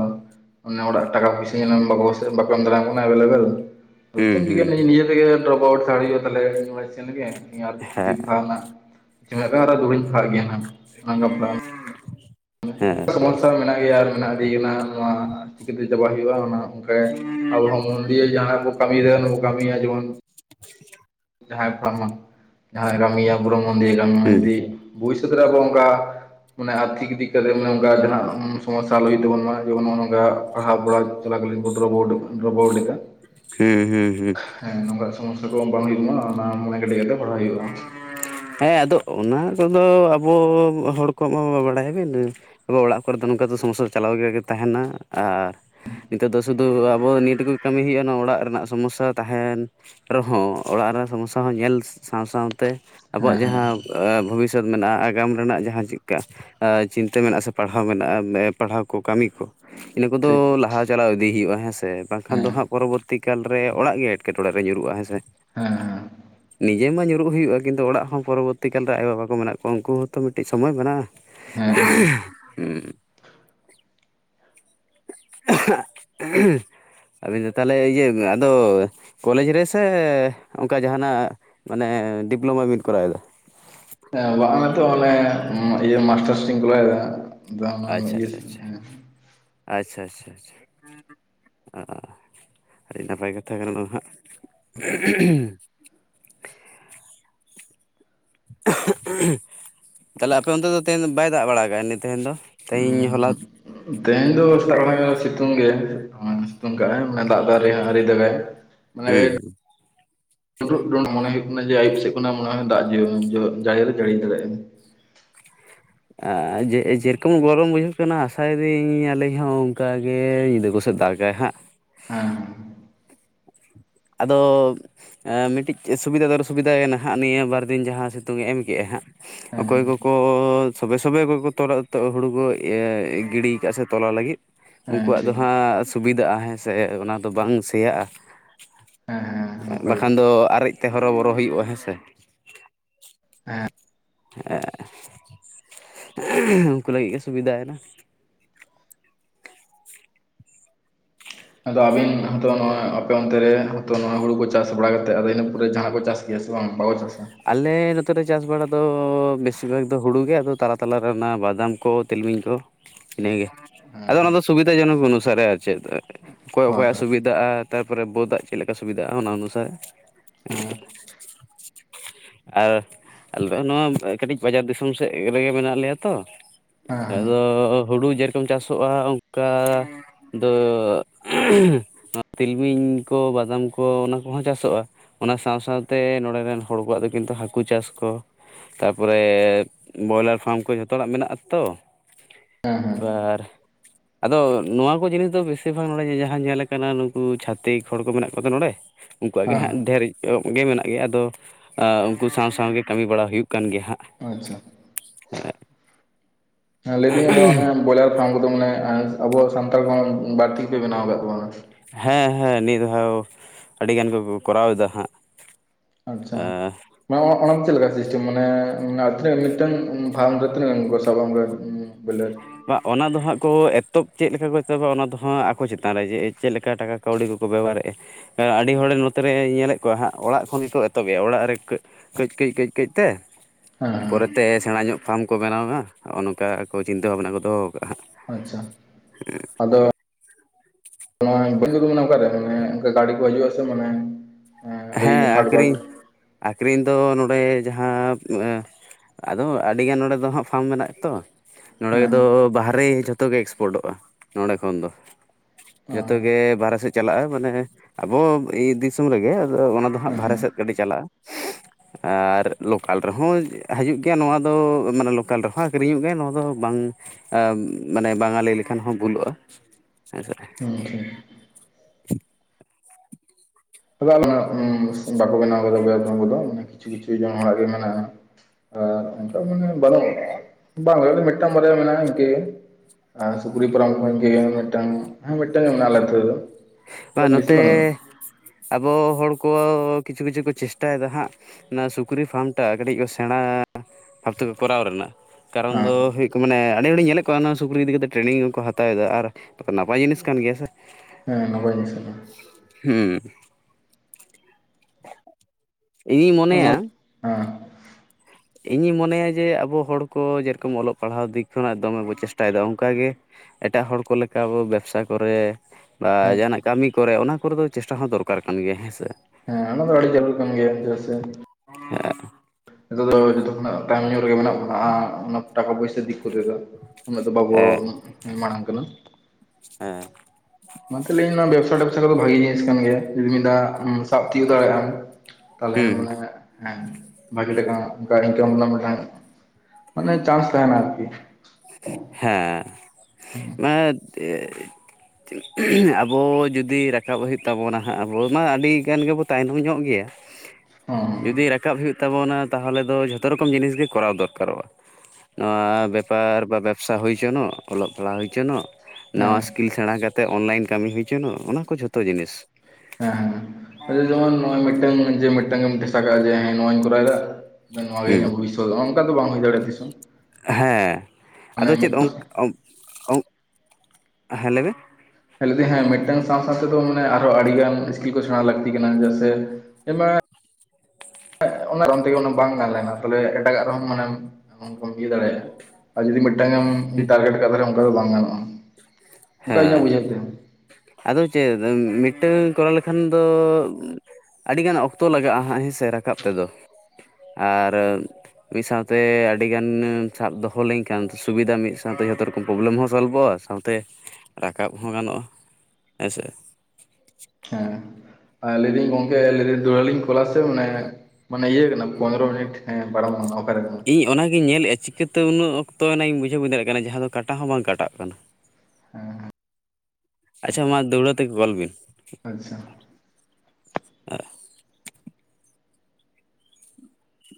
ᱚᱱᱮ ᱚᱲᱟᱜ ᱴᱟᱠᱟ ᱯᱚᱭᱥᱟ ᱧᱮᱞ ᱢᱮ ᱵᱟᱠᱚ ᱮᱢᱫᱟᱲᱮᱢ ᱠᱟᱱᱟ ᱮᱵᱮᱞ ᱮᱵᱮᱞ ᱛᱚ ᱦᱩᱸ ᱪᱮᱢ ᱪᱤᱠᱟᱹᱭᱟ ᱦᱩᱸ ᱱᱤᱭᱟᱹ ᱛᱮᱜᱮ [unintelligible] ᱦᱩᱭᱩᱜ-ᱟ ᱛᱟᱦᱞᱮ [unintelligible] ᱦᱮᱸ [unintelligible] ᱜᱮᱭᱟ ᱦᱟᱸᱜ ᱾ [inaudible] ᱦᱮᱸ ᱾ ᱥᱚᱢᱚᱥᱥᱟ ᱢᱮᱱᱟᱜ ᱜᱮᱭᱟ ᱟᱨ ᱢᱮᱱᱟᱜ ᱤᱫᱤᱭ ᱠᱟᱱᱟ ᱱᱚᱣᱟ ᱪᱤᱠᱟᱹᱛᱮ ᱪᱟᱵ ᱦᱩᱭᱩᱜᱼᱟ ᱚᱱᱟ ᱚᱱᱠᱟ ᱟᱵᱚ ᱦᱚᱸ ᱢᱚᱱ ᱫᱤᱭᱮ ᱡᱟᱦᱟᱸ ᱠᱚ ᱠᱟᱹᱢᱤᱭ ᱫᱟ ᱠᱟᱹᱢᱤᱭᱟ ᱡᱮᱢᱚᱱ ᱾ ᱡᱟᱦᱟᱸᱭ ᱯᱟᱲᱟᱜ ᱢᱟ ᱡᱟᱦᱟᱸᱭ ᱠᱟᱹᱢᱤᱭᱟ ᱵᱚᱨᱚᱢ ᱵᱟᱸᱫᱤᱭᱮᱭ ᱠᱟᱹᱢᱤᱭᱟ ᱦᱩᱸ ᱡᱩᱫᱤ ᱵᱩᱡᱽ ᱠᱟᱛᱮ ᱨᱮᱦᱚᱸ ᱟᱵᱚ ᱚᱱᱠᱟ ᱢᱟᱱᱮ ᱟᱨᱛᱷᱤᱠ ᱫᱤᱠ ᱠᱟᱛᱮ ᱢᱟᱱᱮ ᱚᱱᱠᱟ ᱡᱟᱦᱟᱱᱟᱜ ᱥᱚᱢᱚᱥᱥᱟ ᱟᱞᱚ ᱦᱩᱭᱩᱜ ᱛᱟᱵᱚᱱ ᱢᱟ ᱡᱮᱢᱚᱱ ᱱᱚᱜᱼᱚᱭ ᱱᱚᱝᱠᱟ ᱯᱟᱲᱦᱟᱣ ᱯᱟᱲᱦᱟᱣ [unintelligible] ᱰᱨᱚᱯ ᱟᱣᱩᱴ ᱰᱨᱚᱯ ᱟᱣᱩᱴ ᱫᱟ ᱾ ᱦᱮᱸ ᱦᱩᱸ ᱦᱩᱸ ᱾ ᱦᱮᱸ ᱱᱚᱝᱠᱟ ᱥᱚᱢᱚᱥᱥᱟ ᱠᱚ ᱵᱟᱝ ᱦᱩᱭᱩᱜ ᱢᱟ ᱚᱱᱟ ᱢᱚᱱᱮ ᱠᱮᱴᱮᱡ ᱠᱟᱛᱮ [unintelligible] ᱯᱟᱲᱦᱟᱣ ᱦᱩᱭᱩᱜᱼᱟ [unintelligible] ᱦᱮᱸ ᱟᱫᱚ ᱚᱱᱟ ᱠᱚᱫᱚ ᱟᱵᱚ ᱦᱚᱲ ᱠᱚᱢᱟ ᱵᱟᱲᱟᱭᱟ ᱵᱤᱱ ᱟᱵᱚ ᱚᱲᱟᱜ ᱠᱚᱨᱮ ᱫᱚ ᱱᱚᱝᱠᱟ ᱫᱚ ᱥᱚᱢᱚᱥᱥᱟ ᱫᱚ ᱪᱟᱞᱟᱣ ᱟᱠᱟ ᱜᱮ ᱛᱟᱦᱮᱱᱟ ᱟᱨ ᱱᱤᱛᱚᱜ ᱫᱚ ᱥᱩᱫᱷᱩ ᱟᱵᱚ ᱱᱤᱭᱟᱹ ᱴᱩᱠᱩ ᱜᱮ ᱠᱟᱹᱢᱤ ᱦᱩᱭᱩᱜᱼᱟ ᱱᱚᱣᱟ ᱚᱲᱟᱜ ᱨᱮᱱᱟᱜ ᱥᱚᱢᱚᱥᱥᱟ ᱛᱟᱸᱦᱮᱱ ᱨᱮᱦᱚᱸ, ᱚᱲᱟᱜ ᱨᱮᱱᱟᱜ ᱥᱚᱢᱚᱥᱥᱟ ᱦᱚᱸ ᱧᱮᱞ ᱥᱟᱶ ᱥᱟᱶᱛᱮ ᱦᱮᱸ ᱟᱵᱚᱣᱟᱜ ᱦᱮᱸ ᱡᱟᱦᱟᱸ ᱵᱷᱚᱵᱤᱥᱥᱚᱛ ᱢᱮᱱᱟᱜᱼᱟ ᱟᱜᱟᱢ ᱨᱮᱱᱟᱜ ᱡᱟᱦᱟᱸ ᱪᱮᱫᱠᱟ ᱪᱤᱱᱛᱟᱹ ᱢᱮᱱᱟᱜᱼᱟ ᱥᱮ ᱯᱟᱲᱦᱟᱣ ᱢᱮᱱᱟᱜᱼᱟ, ᱯᱟᱲᱦᱟᱣ ᱠᱚ ᱠᱟᱹᱢᱤ ᱠᱚ ᱤᱱᱟᱹ ᱠᱚᱫᱚ ᱴᱷᱤᱠ ᱞᱟᱦᱟ ᱪᱟᱞᱟᱣ ᱤᱫᱤ ᱦᱩᱭᱩᱜᱼᱟ ᱦᱮᱸᱥᱮ, ᱦᱮᱸ ᱵᱟᱝᱠᱷᱟᱱ ᱦᱮᱸ ᱫᱚ ᱦᱟᱸᱜ ᱯᱚᱨᱚᱵᱚᱨᱛᱤ ᱛᱤᱠᱟᱞ ᱨᱮ ᱚᱲᱟᱜ ᱜᱮ ᱮᱴᱠᱮᱴᱬᱮ ᱨᱮ ᱧᱩᱨᱩᱜᱼᱟ ᱦᱮᱸ ᱥᱮ ᱾ ᱦᱮᱸ ᱦᱮᱸ᱾ ᱱᱤᱡᱮ ᱢᱟ ᱧᱩᱨᱩᱜ ᱦᱩᱭᱩᱜᱼᱟ ᱠᱤᱱᱛᱩ ᱚᱲᱟᱜ ᱦᱚᱸ ᱯᱚᱨᱚᱵᱚᱨᱛᱤ ᱠᱟᱞ ᱨᱮ ᱟᱭᱳ ᱵᱟᱵᱟ ᱠᱚ ᱢᱮᱱᱟᱜ ᱠᱚᱣᱟ ᱩᱱᱠᱩ ᱦᱚᱸᱛᱚ ᱢᱤᱫᱴᱮᱱ ᱥᱚᱢᱚᱭ ᱢᱮᱱᱟᱜᱼᱟ ᱦᱮᱸ ᱦᱮᱸ ᱾ [unintelligible] ᱦᱩᱸ ᱾ [unintelligible] [unintelligible] ᱟᱵᱤᱱ ᱫᱚ ᱛᱟᱦᱚᱞᱮ ᱤᱭᱟᱹ ᱟᱫᱚ ᱠᱚᱞᱮᱡᱽ ᱨᱮᱥᱮ ᱚᱱᱠᱟ ᱡᱟᱸᱦᱟᱱᱟᱜ ᱢᱟᱱᱮ ᱰᱤᱯᱞᱳᱢᱟ ᱵᱤᱱ ᱠᱚᱨᱟᱣᱮᱫᱟ? [unintelligible] ᱵᱟᱝ ᱱᱤᱛᱚᱜ ᱚᱱᱮ ᱢᱟᱥᱴᱟᱨᱥ ᱤᱧ ᱠᱚᱨᱟᱣ ᱫᱟ ᱾ ᱟᱪᱪᱷᱟ ᱟᱪᱪᱷᱟ ᱟᱪᱪᱷᱟ ᱾ ᱟᱪᱪᱷᱟ ᱟᱪᱪᱷᱟ ᱟᱪᱪᱷᱟ, ᱟᱹᱰᱤ ᱱᱟᱯᱟᱭ ᱠᱟᱛᱷᱟ ᱠᱟᱱᱟ ᱱᱚᱣᱟ ᱦᱟᱸᱜ᱾ [unintelligible] [unintelligible] ᱛᱟᱦᱚᱞᱮ ᱟᱯᱮ ᱚᱱᱛᱮ ᱫᱚ ᱛᱮᱦᱮᱧ ᱫᱚ ᱵᱟᱭ ᱫᱟᱜ ᱵᱟᱲᱟ ᱟᱠᱟᱫᱟᱭ [unintelligible] ᱛᱮᱦᱮᱧ ᱫᱚ ᱛᱮᱦᱮᱧ ᱦᱚᱞᱟ? ᱛᱮᱦᱮᱧ ᱫᱚ ᱥᱮᱛᱟᱜ ᱠᱷᱚᱱᱟᱜ ᱜᱮ ᱥᱤᱛᱩᱝ ᱜᱮ ᱾ ᱥᱤᱛᱩᱝ ᱠᱟᱜᱼᱟᱭ ᱢᱟᱱᱮ ᱫᱟᱜ ᱫᱚ ᱟᱹᱣᱨᱤ ᱫᱟᱜᱟᱭ ᱾ ᱢᱟᱱᱮ ᱮᱭ ᱦᱩᱸ ᱰᱩᱸᱰᱨᱩᱜ ᱰᱩᱸᱰᱨᱩᱜ ᱢᱚᱱᱮ ᱦᱩᱭᱩᱜ ᱠᱟᱱᱟ ᱡᱮ ᱟᱭᱩᱵ ᱥᱮᱫ ᱠᱷᱱᱟᱜ ᱢᱚᱱᱮ ᱦᱚᱭ ᱫᱟᱜ [unintelligible] ᱡᱟᱲᱤᱭᱟᱞᱮ ᱡᱟᱹᱲᱤ ᱫᱟᱲᱮᱭᱟᱜᱼᱟ᱾ ᱟ ᱡᱮ ᱮ ᱡᱮᱨᱚᱠᱚᱢ ᱜᱚᱨᱚᱢ ᱵᱩᱡᱷᱟᱹᱜ ᱠᱟᱱᱟ ᱟᱥᱟᱭᱫᱟᱹᱧ ᱟᱞᱤᱧ ᱦᱚᱸ ᱚᱱᱠᱟ ᱜᱮ ᱧᱤᱫᱟᱹ ᱠᱚᱥᱮ ᱫᱟᱜᱟᱭ ᱦᱟᱸᱜ᱾ ᱦᱮᱸ᱾ ᱟᱫᱚ ᱮᱸ ᱢᱤᱫᱴᱤᱡ ᱪᱮᱫ ᱥᱩᱵᱤᱫᱟ ᱫᱚᱨ ᱥᱩᱵᱤᱫᱷᱟᱭᱮᱱᱟ ᱦᱟᱸᱜ ᱱᱤᱭᱟᱹ ᱵᱟᱨᱫᱤᱱ ᱡᱟᱦᱟᱸ ᱥᱤᱛᱩᱝ ᱮ ᱮᱢ ᱠᱮᱜᱼᱟᱭ ᱦᱟᱸᱜ᱾ ᱦᱮᱸ ᱚᱠᱚᱭ ᱠᱚᱠᱚ ᱥᱚᱵᱮ ᱥᱚᱵᱮ ᱵᱟᱠᱚ ᱛᱚᱞ ᱛᱚ ᱦᱩᱲᱩ ᱠᱚ ᱮ ᱜᱤᱰᱤᱭ ᱠᱟᱜᱼᱟ ᱥᱮ ᱛᱚᱞᱟ ᱞᱟᱹᱜᱤᱫ᱾ ᱦᱮᱸ ᱩᱱᱠᱩᱣᱟᱜ ᱫᱚ ᱴᱷᱤᱠ ᱦᱟᱸᱜ ᱥᱩᱵᱤᱫᱷᱟᱜᱼᱟ ᱦᱮᱸ ᱥᱮ, ᱚᱱᱟ ᱫᱚ ᱦᱮᱸ ᱵᱟᱝ ᱥᱮᱭᱟᱜᱼᱟ᱾ ᱦᱮᱸ ᱱᱟᱯᱟᱭ ᱜᱮ ᱵᱟᱠᱷᱟᱱ ᱫᱚ ᱟᱨᱮᱡ ᱛᱮ ᱦᱚᱨᱚᱵᱚᱨᱚ ᱦᱩᱭᱩᱜ-ᱟ ᱦᱮᱸ ᱥᱮ᱾ [unintelligible] ᱩᱱᱠᱩ ᱞᱟᱹᱜᱤᱫ ᱜᱮ ᱥᱩᱵᱤᱫᱟᱭᱮᱱᱟ᱾ ᱟᱫᱚ ᱟᱵᱤᱱ ᱦᱚᱸᱛᱚ ᱱᱚᱣᱟ ᱟᱯᱮ ᱚᱱᱛᱮ ᱨᱮ ᱦᱚᱭᱛᱚ ᱱᱚᱣᱟ ᱦᱩᱲᱩ ᱠᱚ ᱪᱟᱥ ᱵᱟᱲᱟ ᱠᱟᱛᱮᱫ ᱟᱫᱚ ᱤᱱᱟᱹ ᱯᱚᱨᱮ ᱡᱟᱦᱟᱸᱱᱟᱜ ᱵᱚ ᱪᱟᱥ [unintelligible] ᱟᱞᱮ ᱱᱚᱛᱮᱨᱮ ᱪᱟᱥ ᱵᱟᱲᱟ ᱫᱚ ᱵᱮᱥᱤᱨ ᱵᱷᱟᱜᱽ ᱫᱚ ᱦᱩᱲᱩ ᱜᱮ ᱟᱫᱚ ᱛᱟᱞᱟ ᱛᱞᱟᱟᱨᱮ ᱚᱱᱟ ᱵᱟᱫᱟᱢ ᱠᱚ ᱛᱤᱞᱢᱤᱧ ᱠᱚ ᱤᱱᱟᱹᱜᱮ᱾ ᱟᱫᱚ ᱚᱱᱟ ᱫᱚ ᱥᱩᱵᱤᱫᱟ ᱡᱚᱱᱚᱠ ᱚᱱᱩᱥᱟᱨᱮ ᱟᱨ ᱪᱮᱫ ᱚᱠᱚᱭ ᱦᱳᱭ ᱚᱠᱚᱭᱟᱜ ᱦᱳᱭ ᱥᱩᱵᱤ ᱫᱟᱜᱼᱟ ᱛᱟᱨᱯᱚᱨᱮ ᱵᱟᱹᱫᱟᱜ ᱪᱮᱫ ᱞᱮᱠᱟ ᱥᱩᱵᱤᱫᱟᱜ-ᱟ ᱚᱱᱟ ᱚᱱᱩᱥᱟᱨᱮ ᱦᱮᱸ ᱟᱨ ᱟᱞᱮ ᱫᱚ ᱱᱚᱣᱟ ᱠᱟᱹᱴᱤᱡ ᱵᱟᱡᱟᱨ ᱫᱤᱥᱚᱢ ᱥᱮᱫ ᱨᱮᱜᱮ ᱢᱮᱱᱟᱜ ᱞᱮᱭᱟ ᱛᱚ᱾ ᱦᱮᱸ ᱦᱮᱸ ᱟᱫᱚ ᱦᱩᱲᱩ ᱡᱮᱨᱚᱠᱚᱢ ᱪᱟᱥᱚᱜᱼᱟ ᱚᱱᱠᱟ ᱫᱚ ᱱᱚᱣᱟ ᱛᱤᱞᱢᱤᱧ ᱠᱚ, ᱵᱟᱫᱟᱢ ᱠᱚ, ᱚᱱᱟ ᱠᱚᱦᱚᱸ ᱪᱟᱥᱚᱜᱼᱟ ᱚᱱᱟ᱾ ᱥᱟᱶ ᱥᱟᱶᱛᱮ ᱱᱚᱰᱮᱨᱮᱱ ᱦᱚᱲ ᱠᱚᱣᱟᱜ ᱫᱚ ᱠᱤᱱᱛᱩ ᱦᱟᱹᱠᱩ ᱪᱟᱥ ᱠᱚ ᱛᱟᱯᱚᱨᱮ ᱵᱚᱭᱞᱟᱨ ᱯᱷᱟᱨᱟᱢ ᱠᱚ ᱡᱷᱚᱛᱚ ᱦᱚᱲᱟᱜ ᱢᱮᱱᱟᱜ-ᱟ ᱛᱚ᱾ ᱦᱮᱸ ᱦᱮᱸ ᱵᱟ ᱟᱨ ᱟᱫᱚ ᱱᱚᱣᱟ ᱠᱚ ᱡᱤᱱᱤᱥ ᱫᱚ ᱵᱮᱥᱤᱨ ᱵᱷᱟᱜᱽ ᱱᱚᱰᱮ ᱡᱟᱦᱟᱸ ᱧᱮᱞ ᱟᱠᱟᱱᱟ ᱱᱩᱠᱩ ᱪᱷᱟᱛᱤᱠ ᱦᱚᱲ ᱠᱚ ᱢᱮᱱᱟᱜ ᱠᱚᱣᱟ ᱛᱚ ᱱᱚᱰᱮ᱾ ᱩᱱᱠᱩᱣᱟᱜ ᱜᱮ ᱦᱮᱸ ᱦᱟᱸᱜ ᱰᱷᱮᱨ ᱧᱚᱜ ᱜᱮ ᱢᱮᱱᱟᱜ ᱜᱮᱭᱟ ᱟᱫᱚ ᱟ ᱩᱱᱠᱩ ᱥᱟᱶ ᱥᱟᱶ ᱜᱮ ᱠᱟᱹᱢᱤ ᱵᱟᱲᱟ ᱦᱩᱭᱩᱜ ᱠᱟᱱ ᱜᱮᱭᱟ ᱦᱟᱸᱜ᱾ ᱟᱪᱪᱷᱟ ᱞᱟᱹᱭᱫᱤᱧ ᱟᱫᱚ ᱚᱱᱮ ᱵᱚᱭᱞᱟᱨ ᱚᱱᱟ ᱠᱚᱫᱚ ᱢᱟᱱᱮ ᱮ ᱟᱵᱚᱣᱟᱜ ᱥᱟᱱᱛᱟᱲ ᱢᱟ ᱵᱟᱹᱲᱛᱤ ᱯᱮ ᱵᱮᱱᱟᱣ ᱟᱠᱟᱫ ᱠᱚᱣᱟ᱾ ᱦᱮᱸ ᱦᱮᱸ ᱱᱤᱭᱟᱹᱷᱟᱣ ᱟᱹᱰᱤ ᱜᱟᱱ ᱜᱮᱠᱩ ᱠᱚᱨᱟᱣ ᱮᱫᱟ ᱦᱟᱸᱜ᱾ ᱟᱪᱪᱷᱟ᱾ ᱢᱟᱱᱮ ᱚᱱᱟ ᱚᱱᱟ ᱫᱚ ᱪᱮᱫ ᱞᱮᱠᱟ ᱥᱤᱥᱴᱮᱢ ᱢᱟᱱᱮ ᱟᱨ ᱛᱤᱱᱟᱹᱜ ᱢᱤᱫᱴᱟᱝ ᱯᱷᱟᱨᱢ ᱨᱮ ᱛᱤᱱᱟᱹᱜ ᱜᱟᱱ ᱠᱚ ᱥᱟᱦᱚᱵ-ᱟ ᱵᱚᱞᱮ ᱵᱟ ᱚᱱᱟ ᱫᱚ ᱦᱟᱸᱜ ᱠᱚ ᱮᱛᱚᱵ ᱪᱮᱫ ᱞᱮᱠᱟ ᱠᱚ ᱛᱚᱵᱟ ᱚᱱᱟ ᱫᱚ ᱦᱟᱸᱜ ᱟᱠᱚ ᱪᱮᱛᱟᱱ ᱨᱮ ᱡᱮ ᱪᱮᱫ ᱞᱮᱠᱟ ᱴᱟᱠᱟ ᱠᱟᱹᱣᱰᱤ ᱠᱚᱠᱚ ᱵᱮᱣᱦᱟᱨᱮᱮᱫ-ᱟ᱾ ᱟᱹᱰᱤ ᱦᱚᱲ ᱱᱚᱛᱮᱨᱮ ᱧᱮᱞᱮᱫ ᱠᱚᱣᱟ ᱦᱟᱸᱜ ᱚᱲᱟᱜ ᱠᱷᱚᱱ ᱜᱮᱠᱚ ᱮᱛᱚᱵᱮᱜ-ᱟ᱾ ᱚᱲᱟᱜ ᱨᱮ ᱠᱟᱹ ᱠᱟᱹᱡ ᱠᱟ. ᱡ ᱠᱟ. ᱡ ᱠᱟ. ᱡᱛᱮ ᱦᱮᱸ ᱦᱮᱸ ᱯᱚᱨᱮᱛᱮ ᱥᱮᱬᱟᱸ ᱧᱚᱜ ᱯᱷᱟᱨᱢ ᱠᱚ ᱵᱮᱱᱟᱣᱟ ᱦᱚᱸᱜ-ᱚ ᱱᱚᱝᱠᱟ ᱟᱠᱚ ᱪᱤᱱᱛᱟᱹ ᱵᱷᱟᱵᱽᱱᱟ ᱠᱚ ᱫᱚᱦᱚᱣ ᱟᱠᱟᱜ-ᱟ ᱦᱟᱸᱜ᱾ ᱟᱪᱪᱷᱟ᱾ ᱟᱫᱚ [unintelligible] ᱢᱟᱱᱮ ᱚᱠᱟᱨᱮ ᱢᱟᱱᱮ ᱟᱝᱠᱟ ᱜᱟᱹᱰᱤ ᱠᱚ ᱦᱤᱡᱩᱜ ᱟᱥᱮ ᱢᱟᱱᱮ ᱮᱭ ᱦᱮᱸ ᱦᱟᱴ ᱵᱟᱴ ᱟᱹᱠᱷᱨᱤᱧ ᱟᱹᱠᱷᱨᱤᱧ ᱫᱚ ᱱᱚᱸᱰᱮ ᱡᱟᱦᱟᱸ ᱮᱸ ᱟᱫᱚ ᱟᱹᱰᱤᱜᱟᱱ ᱱᱚᱰᱮ ᱫᱚ ᱦᱟᱸᱜ ᱯᱷᱟᱨᱢ ᱢᱮᱱᱟᱜ-ᱟ ᱛᱚ ᱱᱚᱰᱮ ᱦᱮᱸ ᱜᱮᱫᱚ ᱵᱟᱦᱨᱮ ᱡᱷᱚᱛᱚᱜᱮ ᱮᱠᱥᱯᱳᱰᱚᱜ-ᱟ ᱱᱚᱰᱮ ᱠᱷᱚᱱ ᱫᱚ᱾ ᱡᱚᱛᱚᱜᱮ ᱵᱟᱨᱦᱮ ᱥᱮᱫ ᱪᱟᱞᱟᱜ-ᱟ ᱢᱟᱱᱮ ᱟᱵᱚ ᱤ ᱫᱤᱥᱚᱢ ᱨᱮᱜᱮ ᱟᱫᱚ ᱚᱱᱟ ᱫᱚ ᱫᱚ ᱦᱟᱸᱜ ᱦᱮᱸ ᱦᱮᱸ ᱵᱷᱟᱨᱦᱮ ᱦᱮᱸ ᱥᱮᱫ ᱜᱟᱹᱰᱤ ᱪᱟᱞᱟᱜ-ᱟ᱾ ᱟᱨ ᱞᱳᱠᱟᱞ ᱨᱮᱦᱚᱸ ᱦᱟᱡᱩᱜ ᱜᱮᱭᱟ ᱱᱚᱣᱟ ᱫᱚ ᱢᱟᱱᱮ ᱞᱳᱠᱟᱞ ᱨᱮᱦᱚᱸ ᱟᱠᱷᱨᱤᱧᱚᱜ ᱜᱮᱭᱟ ᱱᱚᱣᱟ ᱫᱚ ᱵᱟᱝ ᱟ ᱢᱟᱱᱮ ᱵᱟᱝᱟ ᱞᱟᱹᱭ ᱞᱮᱠᱷᱟᱱ ᱦᱚᱸ ᱵᱷᱩᱞᱚᱜ-ᱟ ᱦᱮᱸᱥᱮ ᱵᱟᱝ᱾ ᱴᱷᱤᱠ [inaudible] ᱛᱚᱵᱮ ᱟᱞᱮ ᱱᱟᱜ ᱩᱸ ᱵᱟᱠᱚ ᱵᱮᱱᱟᱣ ᱠᱟᱫᱟ ᱵᱚᱭᱞᱥᱨ ᱯᱷᱚᱨᱢ ᱠᱚᱫᱚ ᱢᱟᱱᱮ ᱠᱤᱪᱷᱩ ᱠᱤᱪᱷᱩ ᱡᱚᱱ ᱦᱚᱲᱟ ᱜᱮ ᱢᱮᱱᱟᱜ-ᱟ᱾ ᱟᱨ ᱚᱱᱠᱟ ᱢᱟᱱᱮ ᱵᱟᱹᱱᱩᱜ ᱟᱠᱟᱜ ᱟ ᱵᱟᱝ ᱟᱞᱮ ᱫᱚ ᱢᱤᱫᱴᱟᱝ ᱵᱟᱨᱭᱟ ᱢᱮᱱᱟᱜ-ᱟ ᱤᱱᱠᱟᱹ ᱟᱨ ᱥᱩᱠᱨᱤ ᱯᱟᱨᱟᱢ ᱜᱚᱝᱠᱮ ᱢᱤᱫᱴᱟᱝ, ᱦᱮᱸ ᱢᱤᱫᱴᱟᱝ ᱜᱮ ᱢᱮᱱᱟᱜ ᱟᱞᱮ ᱟᱛᱩ ᱨᱮ ᱫᱚ ᱾ ᱥ-ᱩ-ᱜ ᱵᱟᱝ ᱱᱚᱛᱮ, ᱟᱵᱚ ᱦᱚᱲ ᱠᱚ ᱠᱤᱪᱷᱩ ᱠᱤᱪᱷᱩ ᱠᱚ ᱪᱮᱥᱴᱟᱭᱮᱫᱟ ᱦᱟᱸᱜ ᱾ ᱚᱱᱟ ᱥᱩᱠᱨᱤ ᱯᱷᱟᱨᱢ ᱴᱟᱜ ᱠᱟᱹᱴᱤᱡ ᱠᱚ ᱥᱮᱸᱬᱟ ᱵᱷᱟᱵᱛᱮᱠᱚ ᱠᱚᱨᱟᱣ ᱨᱮᱱᱟᱜ ᱠᱟᱨᱚᱱ ᱫᱚ ᱦᱮᱸ ᱦᱩᱭ ᱢᱟᱱᱮ ᱟᱹᱰᱤ ᱦᱚᱲᱤᱧ ᱧᱮᱞᱮᱜ ᱠᱚᱣᱟ ᱚᱱᱟ ᱥᱩᱠᱨᱤ ᱤᱫᱤ ᱠᱟᱛᱮ ᱴᱨᱮᱱᱤᱝ ᱦᱚᱸᱠᱚ ᱦᱟᱛᱟᱣᱮᱫᱟ ᱟᱨ ᱱᱟᱯᱟᱭ ᱡᱤᱱᱤᱥ ᱠᱟᱱ ᱜᱮᱭᱟ ᱥᱮ ᱦᱮᱸ, ᱱᱟᱯᱟᱭ ᱡᱤᱱᱥ ᱠᱟᱱᱟ ᱾ ᱦᱩ ᱾ ᱤᱧᱤᱧ ᱢᱚᱱᱮᱭᱟ ᱦᱮᱸ ᱤᱧᱤ ᱢᱚᱱᱮᱭᱟ ᱡᱮ ᱟᱵᱚ ᱦᱚᱲ ᱠᱚ ᱡᱮ ᱨᱚᱠᱚᱢ ᱚᱞᱚᱜ ᱯᱟᱲᱦᱟᱣ ᱫᱤᱠ ᱠᱷᱚᱱᱟᱜ ᱫᱚᱢᱮᱹᱵᱚ ᱪᱮᱥᱴᱟᱭᱮᱫᱟ ᱚᱱᱠᱟᱜᱮ ᱮᱴᱟᱜ ᱦᱚᱲ ᱠᱚ ᱞᱮᱠᱟ ᱟᱵᱚ ᱵᱮᱵᱽᱥᱟ ᱠᱚᱨᱮ ᱵᱟ ᱦᱮᱸ ᱡᱟᱦᱟᱱᱟᱜ ᱠᱟᱹᱢᱤ ᱠᱚᱨᱮ ᱚᱱᱟ ᱠᱚᱨᱮ ᱫᱚ ᱪᱮᱥᱴᱟ ᱦᱚᱸ ᱫᱚᱨᱠᱟᱨ ᱠᱟᱱ ᱜᱮᱭᱟ ᱦᱮᱸᱥᱮ ᱦᱮᱸ, ᱚᱱᱟ ᱫᱚ ᱟᱹᱰᱤ ᱡᱟᱹᱨᱩᱲ ᱠᱟᱱ ᱜᱮᱭᱟ ᱪᱮᱥᱮ ᱮᱜ ᱾ ᱱᱤᱛᱚ ᱫᱚ ᱡᱚᱛᱚ ᱠᱷᱚᱱᱟᱜ ᱛᱟᱭᱚᱢ ᱧᱚᱜ ᱨᱮᱜᱮ ᱢᱮᱱᱟᱜ ᱵᱚᱱᱟ ᱚᱱᱟ ᱴᱟᱠᱟ ᱯᱩᱭᱥᱟᱹ ᱫᱤᱠ ᱠᱚ ᱛᱮᱫᱚ ᱾ ᱩᱱᱟᱹᱜ ᱫᱚ ᱵᱟᱵᱚ ᱦᱮᱸ ᱢᱟᱲᱟᱝ ᱠᱟᱱᱟ ᱦᱮᱸ ᱚᱱᱟᱛᱮ ᱞᱤᱧ ᱢᱮᱱᱟ ᱵᱮᱵᱽᱥᱟ ᱴᱮᱯᱥᱟ ᱠᱚᱫᱚ ᱵᱷᱟᱜᱮᱹ ᱡᱤᱱᱤᱥ ᱠᱟᱱ ᱜᱮᱭᱟ ᱡᱩᱫᱤ ᱢᱤᱫ ᱫᱷᱟᱣ ᱟᱢ ᱥᱟᱵ ᱛᱤᱭᱩᱜ ᱫᱟᱲᱮᱭᱟᱜ ᱟᱢ ᱛᱟᱦᱞᱮ ᱢᱟᱱᱮ ᱦᱮᱸ ᱵᱷᱟᱜᱮᱹ ᱞᱮᱠᱟ [unintelligible] ᱢᱤᱫᱴᱟᱝ ᱢᱟᱱᱮ ᱪᱟᱱᱥ ᱛᱟᱦᱮᱱᱟ ᱟᱨᱠᱤ ᱛᱮᱜ ᱴᱷᱤᱠ, ᱩᱜ-ᱷᱩᱦ ᱟᱵᱚ ᱡᱩᱫᱤ ᱨᱟᱠᱟᱵ ᱦᱳᱭᱳᱜ ᱛᱟᱵᱚᱱᱟ ᱦᱟᱸᱜ ᱟᱵᱚ ᱢᱟ ᱟᱰᱤ ᱜᱟᱱ ᱜᱮᱵᱚ ᱛᱟᱭᱱᱚᱢ ᱧᱚᱜ ᱜᱮᱭᱟ ᱴᱷᱤ-ᱤ-ᱭᱜ ᱾ ᱦᱚᱸ᱾ ᱡᱩᱫᱤ ᱨᱟᱠᱟᱵ ᱦᱩᱭᱩᱜ ᱛᱟᱵᱚᱱᱟ ᱛᱟᱚᱞᱮ ᱫᱚ ᱡᱷᱚᱛᱚ ᱨᱚᱠᱚᱢ ᱡᱤᱱᱤᱥ ᱜᱮ ᱠᱚᱨᱟᱣ ᱫᱚᱨᱠᱟᱨᱚᱜ-ᱟ ᱺ ᱱᱚᱣᱟ ᱵᱮᱯᱟᱨ ᱵᱟ ᱵᱮᱵᱽᱥᱟ ᱦᱳᱭ ᱪᱚᱱᱚᱜ ᱚᱞᱚᱜ ᱯᱟᱲᱦᱟᱣ ᱦᱳᱭ ᱪᱚ ᱱᱚᱜ ᱱᱟᱣᱟ ᱦᱮᱸ ᱥ ᱠᱤᱞ ᱥᱮᱸᱬᱟ ᱠᱟᱛᱮ ᱚᱱᱞᱟᱭᱤᱱ ᱠᱟᱢᱤ ᱦᱩᱭᱪᱚᱱᱚᱜ ᱚᱱᱟ ᱠᱚ ᱡᱷᱚᱛᱚ ᱡᱤᱱᱤᱥ ᱦᱮᱸ ᱦᱮᱸ ᱟ ᱡᱮᱢᱚᱱ ᱱᱚᱜ-ᱚᱭ ᱢᱤᱫᱴᱟᱝ ᱡᱮ ᱢᱤᱫᱴᱟᱝ ᱮᱢ ᱰᱷᱮᱥᱟ ᱠᱟᱜ-ᱟ ᱡᱮ ᱦᱮᱸ ᱱᱚᱣᱟᱧ ᱠᱚᱨᱟᱣ ᱮᱫᱟ ᱱᱚᱣᱟ ᱜᱮ ᱤᱧᱟᱹᱜ ᱦᱮᱸ ᱵᱷᱚᱵᱤᱥᱥᱚᱛ ᱚᱱᱠᱟ ᱫᱚ ᱵᱟᱝ ᱦᱳᱭ ᱫᱟᱲᱮᱭᱟᱜ-ᱟ ᱛᱤᱥ ᱦᱚᱸ ᱾ ᱦᱮᱸ, ᱟᱫᱚ ᱪᱮᱫ ᱚᱸᱝᱠ- ᱚᱸᱝ -ᱚᱸᱝ ᱦᱮᱸ ᱞᱟᱹᱭᱵᱤᱱ? ᱞᱟ. ᱭ ᱫᱤᱧ ᱦᱮᱸ ᱢᱤᱫᱴᱟᱝ ᱥᱟᱶ ᱥᱟᱶᱛᱮ ᱫᱚ ᱢᱟᱱᱮ ᱟᱨᱦᱚᱸ ᱟᱰᱤ ᱜᱟᱱ ᱤᱥᱠᱤᱞ ᱠᱚ ᱥᱮᱸᱬᱟ ᱞᱟᱹᱠᱛᱤ ᱠᱟᱱᱟ ᱪᱮᱫᱟᱜ ᱥᱮ ᱮᱵᱟᱨ ᱚᱱᱟ ᱨᱚᱝ ᱛᱮᱜᱮ ᱢᱟᱱᱮ ᱵᱟᱝ ᱜᱟᱱ ᱞᱮᱱᱟ ᱛᱟᱞᱦᱮ ᱮᱴᱟᱜᱟᱜ ᱨᱚᱝ ᱢᱟᱱᱮᱢ ᱠᱚᱢᱯᱤᱭᱩ ᱫᱟᱲᱮᱭᱟᱜ-ᱟ ᱟᱨ ᱡᱩᱫᱤ ᱢᱤᱫᱴᱟᱝ ᱮᱢ ᱴᱟᱨᱜᱮᱴ ᱠᱟᱜ ᱛᱟᱦᱞᱮ ᱚᱝᱠᱟ ᱫᱚ ᱵᱟᱝ ᱜᱟᱱᱚᱜᱼᱟ᱾ ᱚᱳᱠᱟ ᱤᱧᱟᱹᱜ ᱦᱮᱸ ᱵᱩᱡᱷᱟᱹᱜ ᱠᱟ [unintelligible] ᱟᱫᱚ ᱪᱮᱫ ᱢᱤᱫᱴᱟᱝ ᱠᱚᱨᱟᱣ ᱞᱮᱠᱷᱟᱱ ᱫᱚ ᱟᱰᱤᱜᱟᱱ ᱚᱠᱛᱚ ᱞᱟᱜᱟᱜᱼᱟ ᱦᱟᱸᱜ ᱦᱮᱸ ᱥᱮ ᱨᱟᱠᱟᱵ ᱛᱮᱫᱚ, ᱟᱨ ᱢᱤᱫ ᱥᱟᱶ ᱛᱮ ᱟᱰᱤᱜᱟᱱ ᱥᱟᱵ ᱫᱚᱦᱚ ᱞᱮᱝ ᱠᱷᱟᱱ ᱥᱩᱵᱤᱫᱟ, ᱢᱤᱫ ᱥᱟᱶᱛᱮ ᱡᱷᱚᱛᱚ ᱨᱚ ᱯᱨᱚᱵᱞᱮᱹᱢ ᱦᱚᱸ ᱥᱚᱞᱵᱷᱚᱜᱼᱟ, ᱥᱟᱶᱛᱮ ᱨᱟᱠᱟᱵ ᱦᱚᱸ ᱜᱟᱱᱚᱜᱼᱟ ᱦᱮᱸ ᱥᱮ? ᱟᱸ ᱞᱟᱹᱭᱫᱟᱹᱧ ᱜᱚᱝᱠᱮ ᱞᱟᱹᱭ ᱫᱚᱦᱲᱟ ᱞᱤᱧ ᱠᱳᱞ-ᱟ ᱥᱮ ᱢᱟᱱᱮ ᱢᱟᱱᱮ ᱤᱭᱟᱹ ᱠᱟᱱᱟ ᱯᱚᱱᱨ ᱢᱤᱱᱤᱴ ᱮᱸ ᱯᱟᱨᱚᱢ ᱟᱠᱟᱱᱟ ᱚᱠᱟᱨᱮ ᱤᱧ ᱚᱱᱟᱜᱤᱧ ᱧᱮᱞᱮᱜᱼᱟ ᱪᱤᱠᱟᱹᱛᱮ ᱩᱱᱟᱹᱜ ᱚᱠᱛᱚ ᱮᱱᱟ ᱤᱧ ᱵᱩᱡᱷᱟᱹᱣ ᱵᱟᱹᱧ ᱫᱟᱲᱮᱭᱟᱜ ᱠᱟᱱᱟ ᱡᱟᱦᱟᱸ ᱫᱚ ᱠᱟᱴᱟ ᱦᱚᱸ ᱵᱟᱝ ᱠᱟᱴᱟᱜ ᱠᱟᱱᱟ? ᱟᱪ-ᱪᱷᱟ ᱢᱟ ᱫᱩᱣᱲᱟᱹ ᱛᱮ ᱜᱮ ᱠᱚᱞ ᱵᱤᱱ᱾ ᱟᱪ-ᱪᱷᱟ,